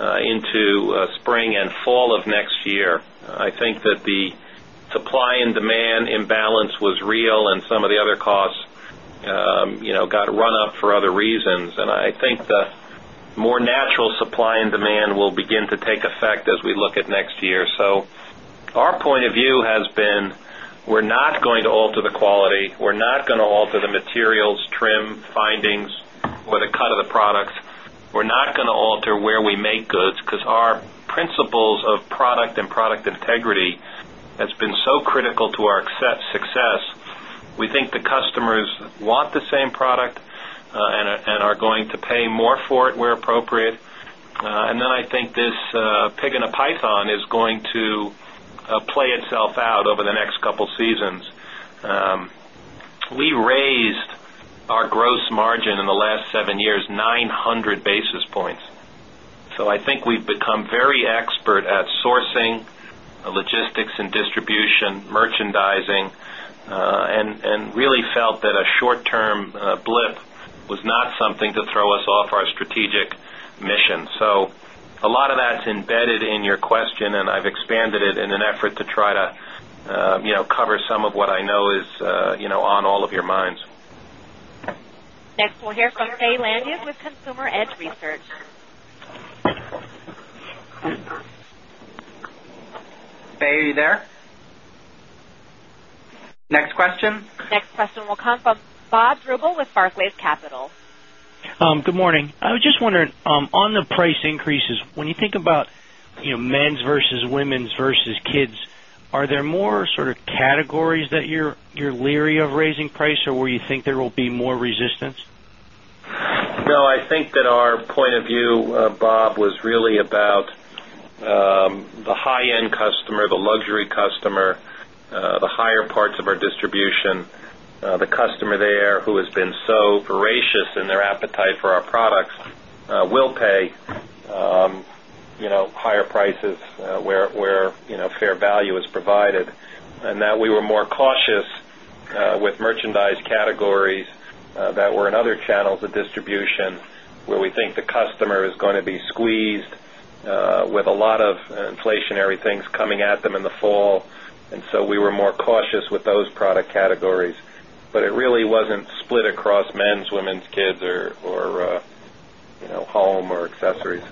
F: into spring and fall of next year. I think that the supply and demand imbalance was real, and some of the other costs, you know, got run up for other reasons. I think the more natural supply and demand will begin to take effect as we look at next year. Our point of view has been we're not going to alter the quality, we're not going to alter the materials, trim, findings, or the cut of the products. We're not going to alter where we make goods because our principles of product and product integrity have been so critical to our success. We think the customers want the same product and are going to pay more for it where appropriate. I think this pig in a python is going to play itself out over the next couple of seasons. We raised our gross margin in the last seven years 900 basis points. I think we've become very expert at sourcing, logistics, and distribution, merchandising, and really felt that a short-term blip was not something to throw us off our strategic mission. A lot of that's embedded in your question, and I've expanded it in an effort to try to cover some of what I know is on all of your minds.
A: Next one here from Kaye Langis with Consumer Edge Research.
F: Hey, are you there? Next question?
A: Next question will come from Bob Drbul with Barclays Capital.
H: Good morning. I was just wondering, on the price increases, when you think about, you know, men's versus women's versus kids, are there more sort of categories that you're leery of raising price, or where you think there will be more resistance?
F: I think that our point of view, Bob, was really about the high-end customer, the luxury customer, the higher parts of our distribution. The customer there who has been so voracious in their appetite for our products will pay, you know, higher prices where, you know, fair value is provided. We were more cautious with merchandise categories that were in other channels of distribution where we think the customer is going to be squeezed with a lot of inflationary things coming at them in the fall. We were more cautious with those product categories. It really wasn't split across men's, women's, kids, or, you know, home or accessories.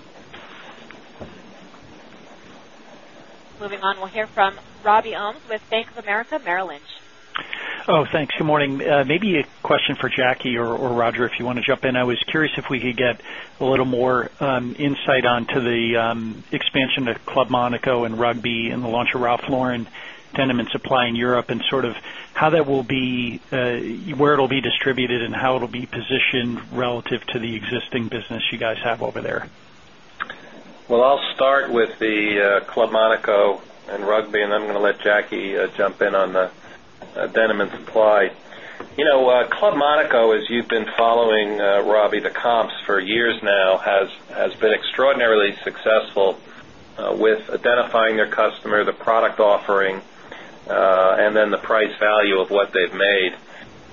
A: Moving on, we'll hear from Robbie Ohmes with Bank of America.
I: Oh, thanks. Good morning. Maybe a question for Jackie or Roger if you want to jump in. I was curious if we could get a little more insight onto the expansion to Club Monaco and Rugby and the launch of Ralph Lauren Denim & Supply in Europe and sort of how that will be, where it'll be distributed, and how it'll be positioned relative to the existing business you guys have over there.
F: I'll start with the Club Monaco and Rugby, and I'm going to let Jackie jump in on the Denim & Supply. You know, Club Monaco, as you've been following, Robbie, the comps for years now, has been extraordinarily successful with identifying their customer, the product offering, and then the price value of what they've made.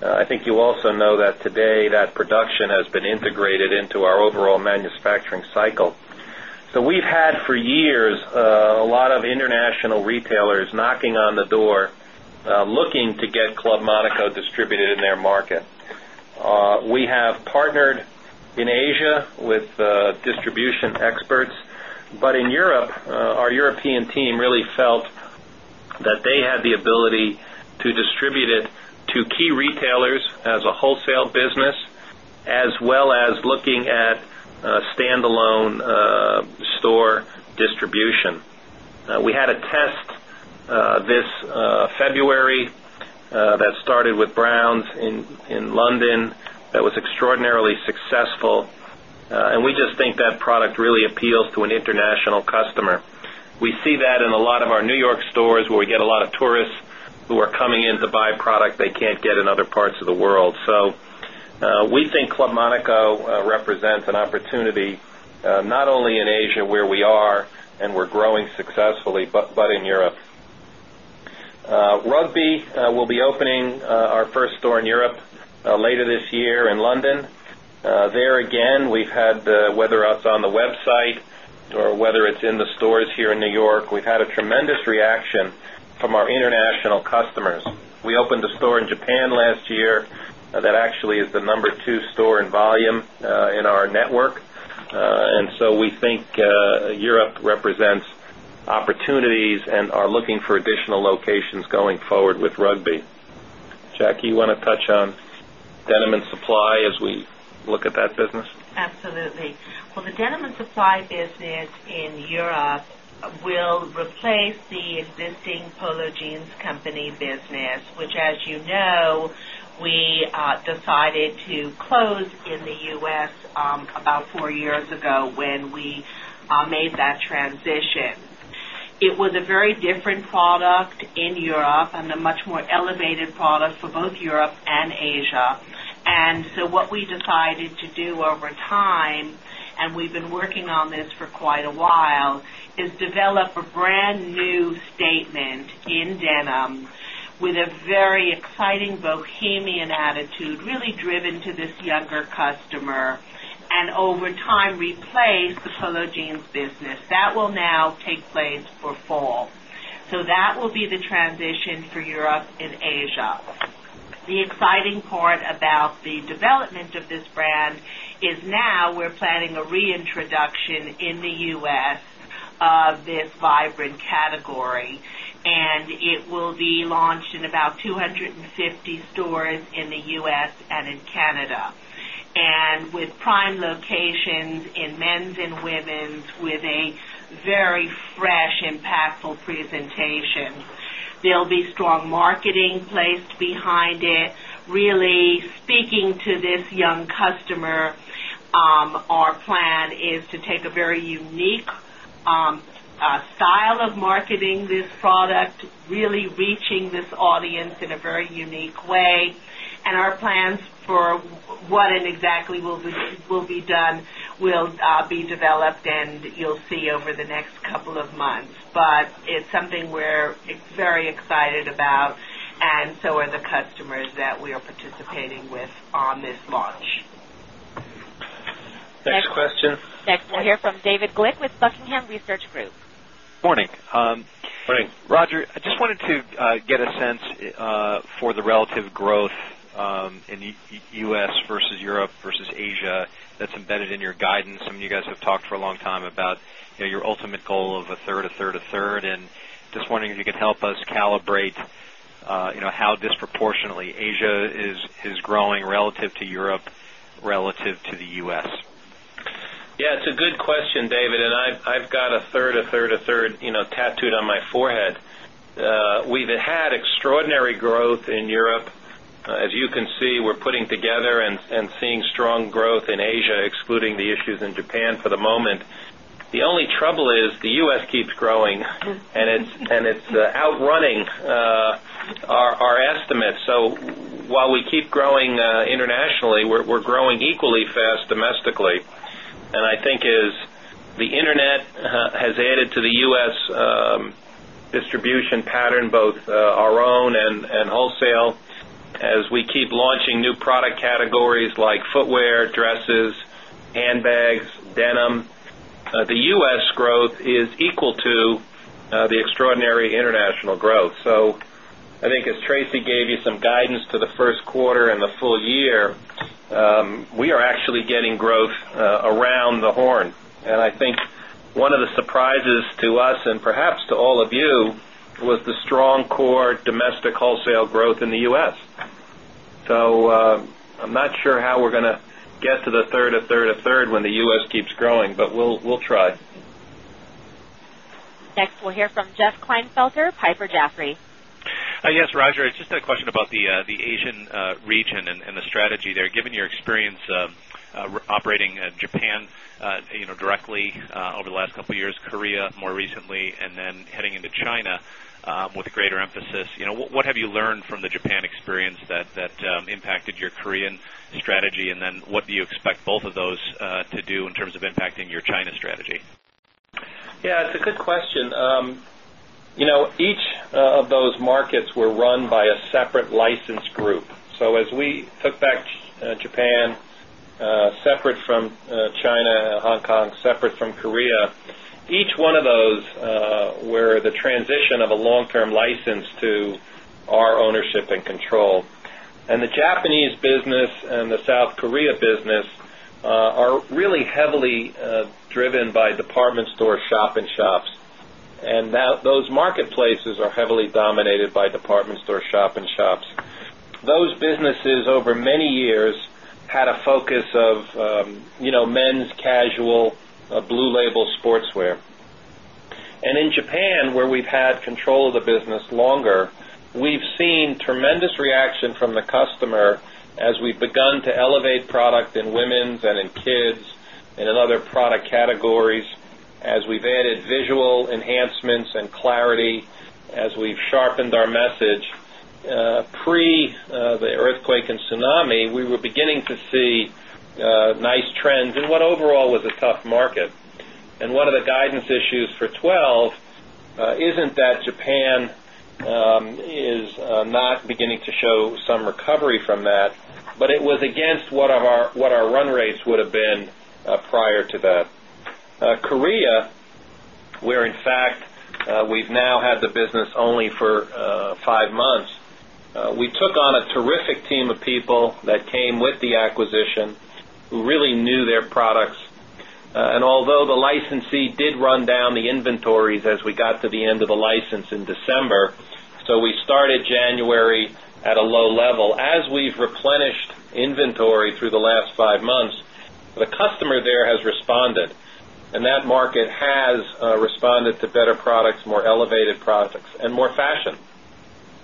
F: I think you also know that today that production has been integrated into our overall manufacturing cycle. We've had for years a lot of international retailers knocking on the door looking to get Club Monaco distributed in their market. We have partnered in Asia with distribution experts, but in Europe, our European team really felt that they had the ability to distribute it to key retailers as a wholesale business, as well as looking at standalone store distribution. We had a test this February that started with Browns in London that was extraordinarily successful. We just think that product really appeals to an international customer. We see that in a lot of our New York stores where we get a lot of tourists who are coming in to buy product they can't get in other parts of the world. We think Club Monaco represents an opportunity not only in Asia where we are and we're growing successfully, but in Europe. Rugby will be opening our first store in Europe later this year in London. There again, we've had whether it's on the website or whether it's in the stores here in New York, we've had a tremendous reaction from our international customers. We opened a store in Japan last year that actually is the number two store in volume in our network. We think Europe represents opportunities and are looking for additional locations going forward with Rugby. Jackie, you want to touch on Denim & Supply as we look at that business?
D: Absolutely. The Denim & Supply business in Europe will replace the existing Polo Jeans Company business, which, as you know, we decided to close in the U.S. about four years ago when we made that transition. It was a very different product in Europe and a much more elevated product for both Europe and Asia. What we decided to do over time, and we've been working on this for quite a while, is develop a brand new statement in denim with a very exciting bohemian attitude, really driven to this younger customer, and over time replace the Polo Jeans business. That will now take place for fall. That will be the transition for Europe and Asia. The exciting part about the development of this brand is now we're planning a reintroduction in the U.S. of this vibrant category, and it will be launched in about 250 stores in the U.S. and in Canada. With prime locations in men's and women's with a very fresh, impactful presentation, there'll be strong marketing placed behind it, really speaking to this young customer. Our plan is to take a very unique style of marketing this product, really reaching this audience in a very unique way. Our plans for what exactly will be done will be developed, and you'll see over the next couple of months. It's something we're very excited about, and so are the customers that we are participating with on this launch.
F: Next question.
A: Next we'll hear from David Glick with Buckingham Research Group.
J: Morning. Roger, I just wanted to get a sense for the relative growth in the U.S. versus Europe versus Asia that's embedded in your guidance. Some of you guys have talked for a long time about your ultimate goal of 1/3, 1/3, 1/3, and just wondering if you could help us calibrate how disproportionately Asia is growing relative to Europe relative to the U.S.
F: Yeah, it's a good question, David, and I've got 1/3, 1/3, 1/3, tattooed on my forehead. We've had extraordinary growth in Europe. As you can see, we're putting together and seeing strong growth in Asia, excluding the issues in Japan for the moment. The only trouble is the U.S. keeps growing, and it's outrunning our estimates. While we keep growing internationally, we're growing equally fast domestically. I think the Internet has added to the U.S. distribution pattern, both our own and wholesale, as we keep launching new product categories like footwear, dresses, handbags, denim. The U.S. growth is equal to the extraordinary international growth. I think as Tracey gave you some guidance to the first quarter and the full year, we are actually getting growth around the horn. I think one of the surprises to us and perhaps to all of you was the strong core domestic wholesale growth in the U.S. I'm not sure how we're going to get to 1/3, 1/3, 1/3, when the U.S. keeps growing, but we'll try.
A: Next, we'll hear from Jeff Kleinfelder of Piper Jaffray.
K: Yes, Roger, it's just a question about the Asian region and the strategy there. Given your experience operating Japan directly over the last couple of years, Korea more recently, and then heading into China with greater emphasis, what have you learned from the Japan experience that impacted your Korean strategy, and what do you expect both of those to do in terms of impacting your China strategy?
F: Yeah, it's a good question. You know, each of those markets were run by a separate license group. As we took back Japan, separate from China and Hong Kong, separate from Korea, each one of those were the transition of a long-term license to our ownership and control. The Japanese business and the South Korea business are really heavily driven by department store shop and shops. Those marketplaces are heavily dominated by department store shop and shops. Those businesses over many years had a focus of, you know, men's casual Blue Label sportswear. In Japan, where we've had control of the business longer, we've seen tremendous reaction from the customer as we've begun to elevate product in women's and in kids and in other product categories as we've added visual enhancements and clarity as we've sharpened our message. Pre the earthquake and tsunami, we were beginning to see nice trends in what overall was a tough market. One of the guidance issues for 2012 isn't that Japan is not beginning to show some recovery from that, but it was against what our run rates would have been prior to that. Korea, where in fact we've now had the business only for five months, we took on a terrific team of people that came with the acquisition who really knew their products. Although the licensee did run down the inventories as we got to the end of the license in December, we started January at a low level. As we've replenished inventory through the last five months, the customer there has responded, and that market has responded to better products, more elevated products, and more fashion.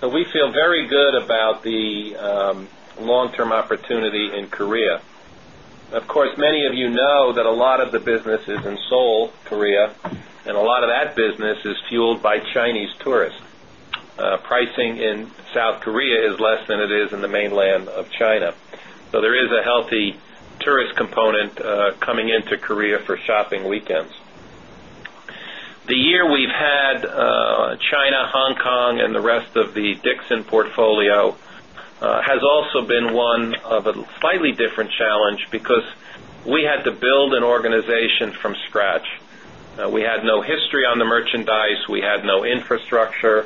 F: We feel very good about the long-term opportunity in Korea. Of course, many of you know that a lot of the business is in Seoul, Korea, and a lot of that business is fueled by Chinese tourists. Pricing in South Korea is less than it is in the mainland of China. There is a healthy tourist component coming into Korea for shopping weekends. The year we've had China, Hong Kong, and the rest of the Dixint portfolio has also been one of a slightly different challenge because we had to build an organization from scratch. We had no history on the merchandise. We had no infrastructure,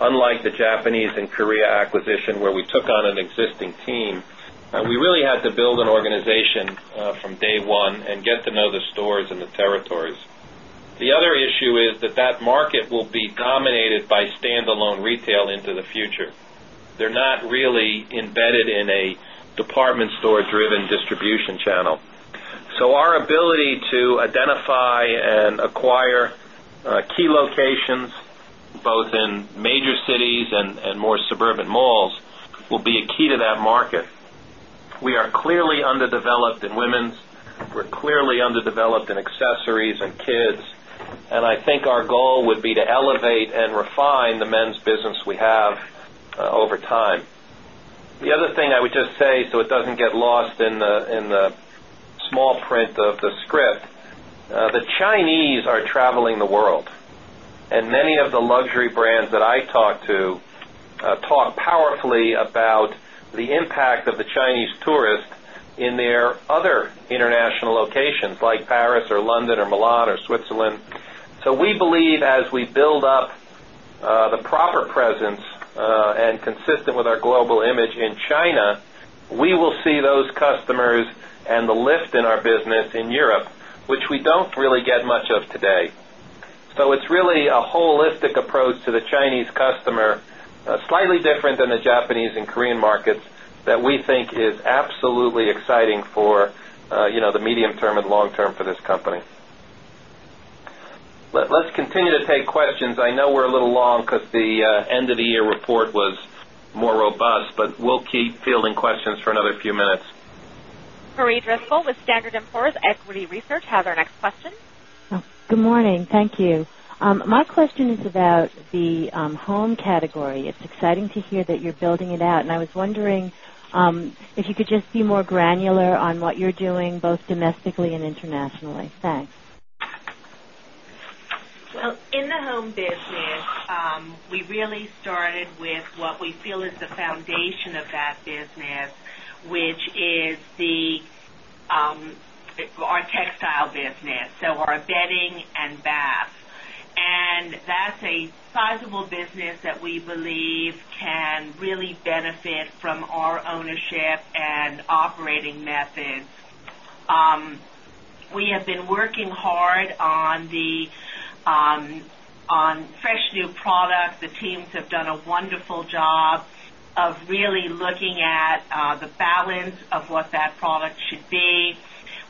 F: unlike the Japanese and Korea acquisition where we took on an existing team. We really had to build an organization from day one and get to know the stores and the territories. The other issue is that that market will be dominated by stand alone retail into the future. They're not really embedded in a department store-driven distribution channel. Our ability to identify and acquire key locations, both in major cities and more suburban malls, will be a key to that market. We are clearly underdeveloped in women's. We're clearly underdeveloped in accessories and kids. I think our goal would be to elevate and refine the men's business we have over time. The other thing I would just say so it doesn't get lost in the small print of the script, the Chinese are traveling the world. Many of the luxury brands that I talk to talk powerfully about the impact of the Chinese tourists in their other international locations, like Paris, London, Milan, or Switzerland. We believe as we build up the proper presence and consistent with our global image in China, we will see those customers and the lift in our business in Europe, which we don't really get much of today. It's really a holistic approach to the Chinese customer, slightly different than the Japanese and Korean markets, that we think is absolutely exciting for the medium-term and long-term for this company. Let's continue to take questions. I know we're a little long because the end of the year report was more robust, but we'll keep fielding questions for another few minutes.
A: Marie Driscoll with Standard and Poor's equity research has our next question.
L: Good morning. Thank you. My question is about the home category. It's exciting to hear that you're building it out. I was wondering if you could just be more granular on what you're doing both domestically and internationally. Thanks.
D: In the home business, we really started with what we feel is the foundation of that business, which is our textile business, so our bedding and bath. That's a sizable business that we believe can really benefit from our ownership and operating methods. We have been working hard on fresh new products. The teams have done a wonderful job of really looking at the balance of what that product should be.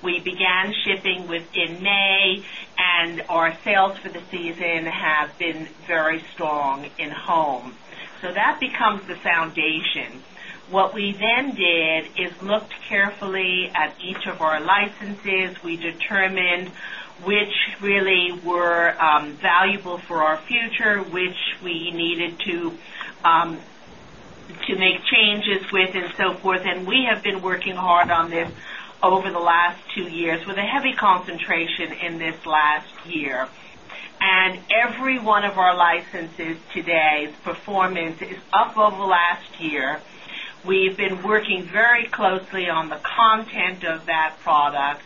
D: We began shipping within May, and our sales for the season have been very strong in home. That becomes the foundation. What we then did is looked carefully at each of our licenses. We determined which really were valuable for our future, which we needed to make changes with and so forth. We have been working hard on this over the last two years with a heavy concentration in this last year. Every one of our licenses' performance is up over the last year. We've been working very closely on the content of that product.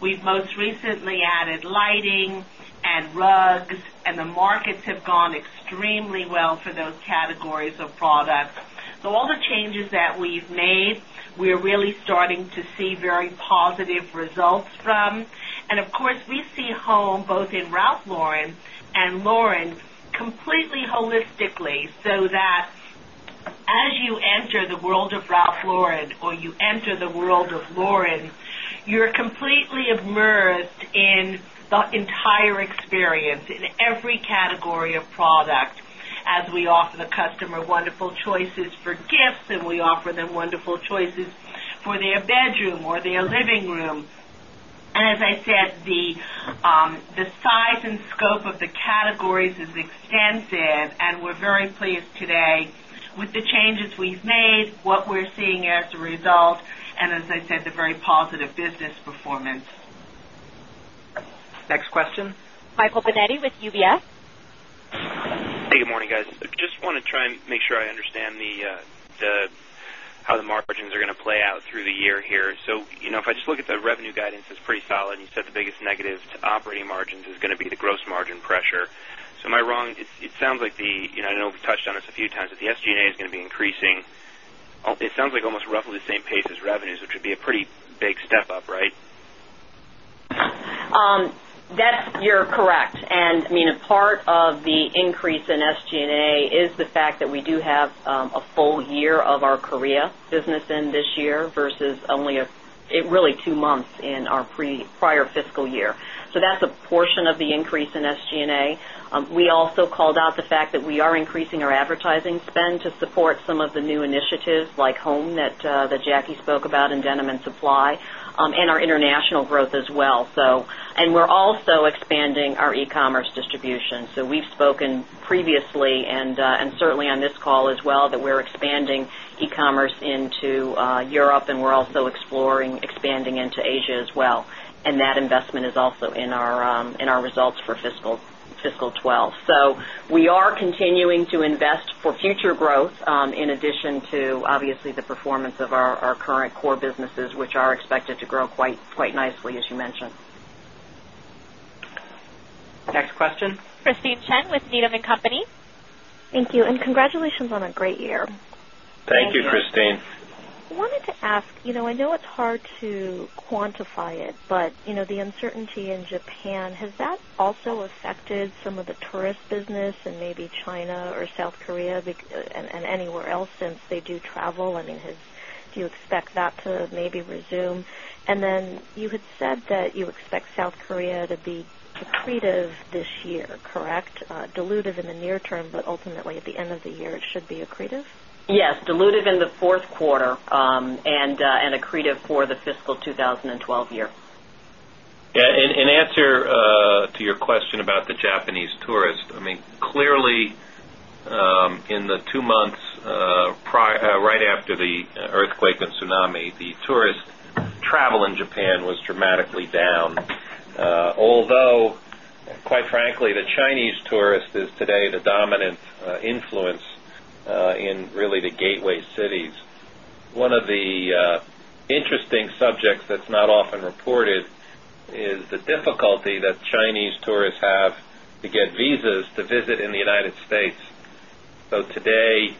D: We've most recently added lighting and rugs, and the markets have gone extremely well for those categories of products. All the changes that we've made, we're really starting to see very positive results from. Of course, we see home both in Ralph Lauren and Lauren completely holistically, so that as you enter the world of Ralph Lauren or you enter the world of Lauren, you're completely immersed in the entire experience in every category of product, as we offer the customer wonderful choices for gifts, and we offer them wonderful choices for their bedroom or their living room. As I said, the size and scope of the categories is extensive, and we're very pleased today with the changes we've made, what we're seeing as a result, and, as I said, the very positive business performance.
A: Next question. Michael Binetti with UBS.
M: Hey, good morning, guys. I just want to try and make sure I understand how the margins are going to play out through the year here. If I just look at the revenue guidance, it's pretty solid. You said the biggest negative to operating margins is going to be the gross margin pressure. Am I wrong? It sounds like, I know we've touched on this a few times, that the SG&A is going to be increasing. It sounds like almost roughly the same pace as revenues, which would be a pretty big step up, right?
C: That's, you're correct. I mean, a part of the increase in SG&A is the fact that we do have a full year of our Korea business in this year versus only, really, two months in our prior fiscal year. That's a portion of the increase in SG&A. We also called out the fact that we are increasing our advertising spend to support some of the new initiatives like home that Jackie spoke about in Denim & Supply and our international growth as well. We're also expanding our e-commerce distribution. We've spoken previously and certainly on this call as well that we're expanding e-commerce into Europe, and we're also exploring expanding into Asia as well. That investment is also in our results for fiscal 2012. We are continuing to invest for future growth in addition to, obviously, the performance of our current core businesses, which are expected to grow quite nicely, as you mentioned.
A: Next question. Christine Chen with Needham & Company.
N: Thank you, and congratulations on a great year.
F: Thank you, Christine.
N: I wanted to ask, I know it's hard to quantify it, but the uncertainty in Japan, has that also affected some of the tourist business in maybe China or South Korea and anywhere else since they do travel? Do you expect that to maybe resume? You had said that you expect South Korea to be accretive this year, correct? Diluted in the near-term, but ultimately at the end of the year, it should be accretive?
C: Yes, diluted in the fourth quarter and accretive for the fiscal 2012 year.
F: Yeah, in answer to your question about the Japanese tourists, I mean, clearly in the two months right after the earthquake and tsunami, the tourist travel in Japan was dramatically down. Although, quite frankly, the Chinese tourists are today the dominant influence in really the gateway cities. One of the interesting subjects that's not often reported is the difficulty that Chinese tourists have to get visas to visit in the United States. Today,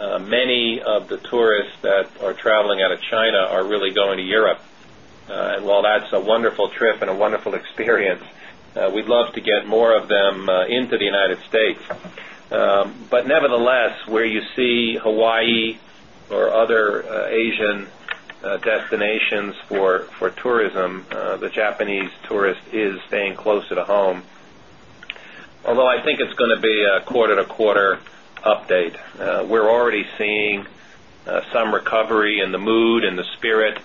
F: many of the tourists that are traveling out of China are really going to Europe. While that's a wonderful trip and a wonderful experience, we'd love to get more of them into the United States. Nevertheless, where you see Hawaii or other Asian destinations for tourism, the Japanese tourist is staying closer to home. Although I think it's going to be a quarter-to-quarter update. We're already seeing some recovery in the mood and the spirit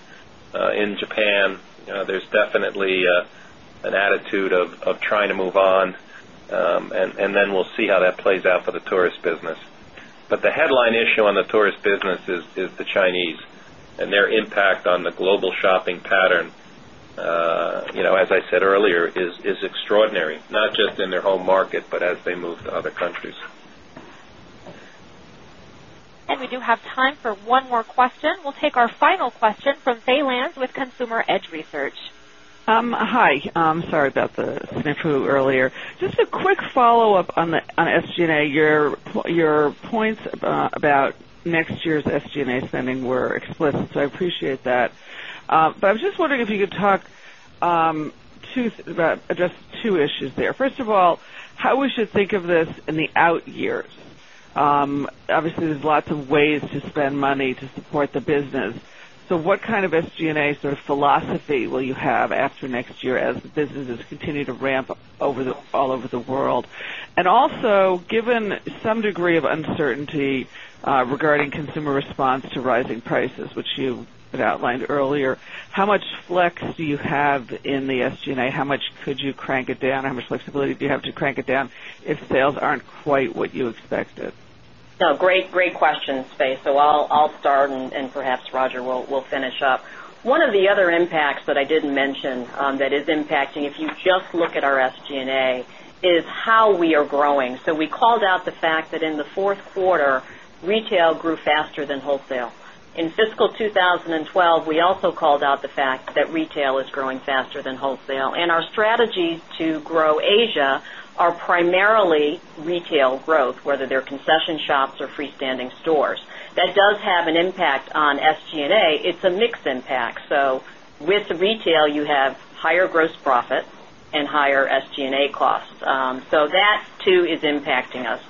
F: in Japan. There's definitely an attitude of trying to move on, and then we'll see how that plays out for the tourist business. The headline issue on the tourist business is the Chinese and their impact on the global shopping pattern. You know, as I said earlier, is extraordinary, not just in their home market, but as they move to other countries.
A: We do have time for one more question. We'll take our final question from Faye Landes with Consumer Edge Research.
O: Hi. Sorry about the SNAFU earlier. Just a quick follow-up on SG&A. Your points about next year's SG&A spending were explicit. Appreciate it. I was just wondering if you could talk, to address two issues there. First of all, how we should think of this in the out years. Obviously, there's lots of ways to spend money to support the business. What kind of SG&A sort of philosophy will you have after next year as the businesses continue to ramp up all over the world? Also, given some degree of uncertainty regarding consumer response to rising prices, which you had outlined earlier, how much flex do you have in the SG&A? How much could you crank it down? How much flexibility do you have to crank it down if sales aren't quite what you expected?
C: No, great, great questions, Faye. I'll start, and perhaps Roger will finish up. One of the other impacts that I didn't mention that is impacting, if you just look at our SG&A, is how we are growing. We called out the fact that in Q4, retail grew faster than wholesale. In fiscal 2012, we also called out the fact that retail is growing faster than wholesale. Our strategies to grow Asia are primarily retail growth, whether they're concession shops or freestanding stores. That does have an impact on SG&A. It's a mixed impact. With retail, you have higher gross profits and higher SG&A costs. That too is impacting us.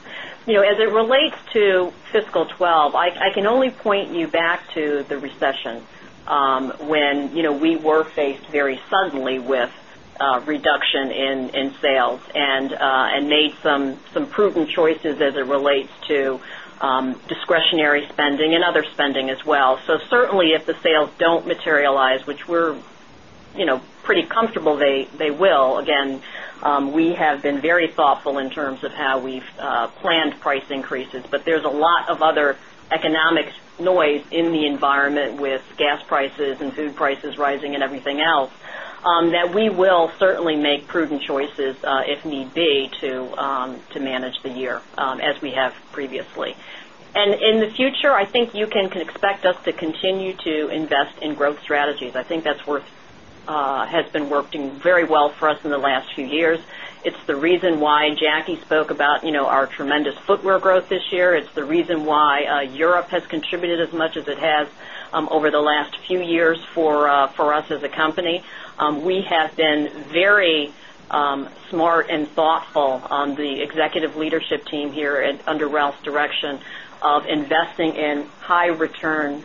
C: As it relates to fiscal 2012, I can only point you back to the recession, when we were faced very suddenly with a reduction in sales and made some prudent choices as it relates to discretionary spending and other spending as well. Certainly, if the sales don't materialize, which we're pretty comfortable they will, we have been very thoughtful in terms of how we've planned price increases. There's a lot of other economic noise in the environment with gas prices and food prices rising and everything else that we will certainly make prudent choices, if need be, to manage the year as we have previously. In the future, I think you can expect us to continue to invest in growth strategies. I think that's been working very well for us in the last few years. It's the reason why Jackie spoke about our tremendous footwear growth this year. It's the reason why Europe has contributed as much as it has over the last few years for us as a company. We have been very smart and thoughtful on the executive leadership team here under Ralph's direction of investing in high-return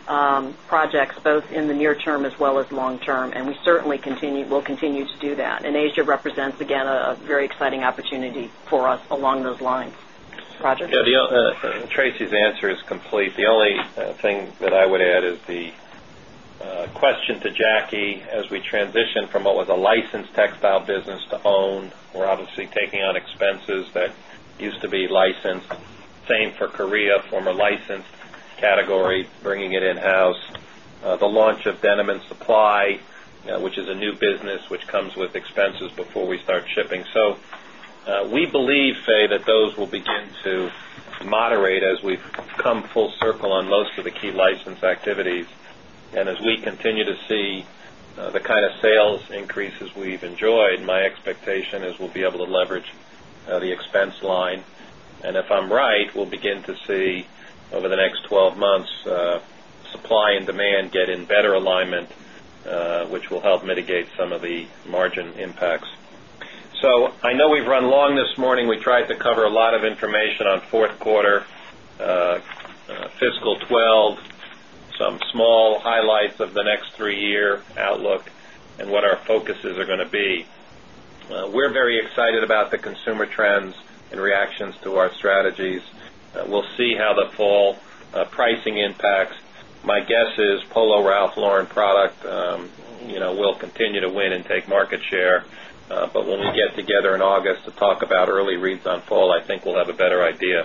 C: projects, both in the near-term as well as long-term. We certainly will continue to do that. Asia represents, again, a very exciting opportunity for us along those lines. Roger?
F: Yeah, Tracey's answer is complete. The only thing that I would add is the question to Jackie as we transition from what was a licensed textile business to owned. We're obviously taking on expenses that used to be licensed. Same for Korea, former licensed category, bringing it in-house. The launch of Denim & Supply, which is a new business which comes with expenses before we start shipping. We believe, Faye, that those will begin to moderate as we've come full circle on most of the key license activities. As we continue to see the kind of sales increases we've enjoyed, my expectation is we'll be able to leverage the expense line. If I'm right, we'll begin to see over the next 12 months supply and demand get in better alignment, which will help mitigate some of the margin impacts, so I know we've run long this morning we tried to cover a lot of information on fourth quarter, fiscal 2012, some small highlights of the next three-year outlook, and what our focuses are going to be. We're very excited about the consumer trends and reactions to our strategies. We'll see how the fall pricing impacts. My guess is Polo Ralph Lauren product, you know, will continue to win and take market share. When we get together in August to talk about early reads on fall, I think we'll have a better idea.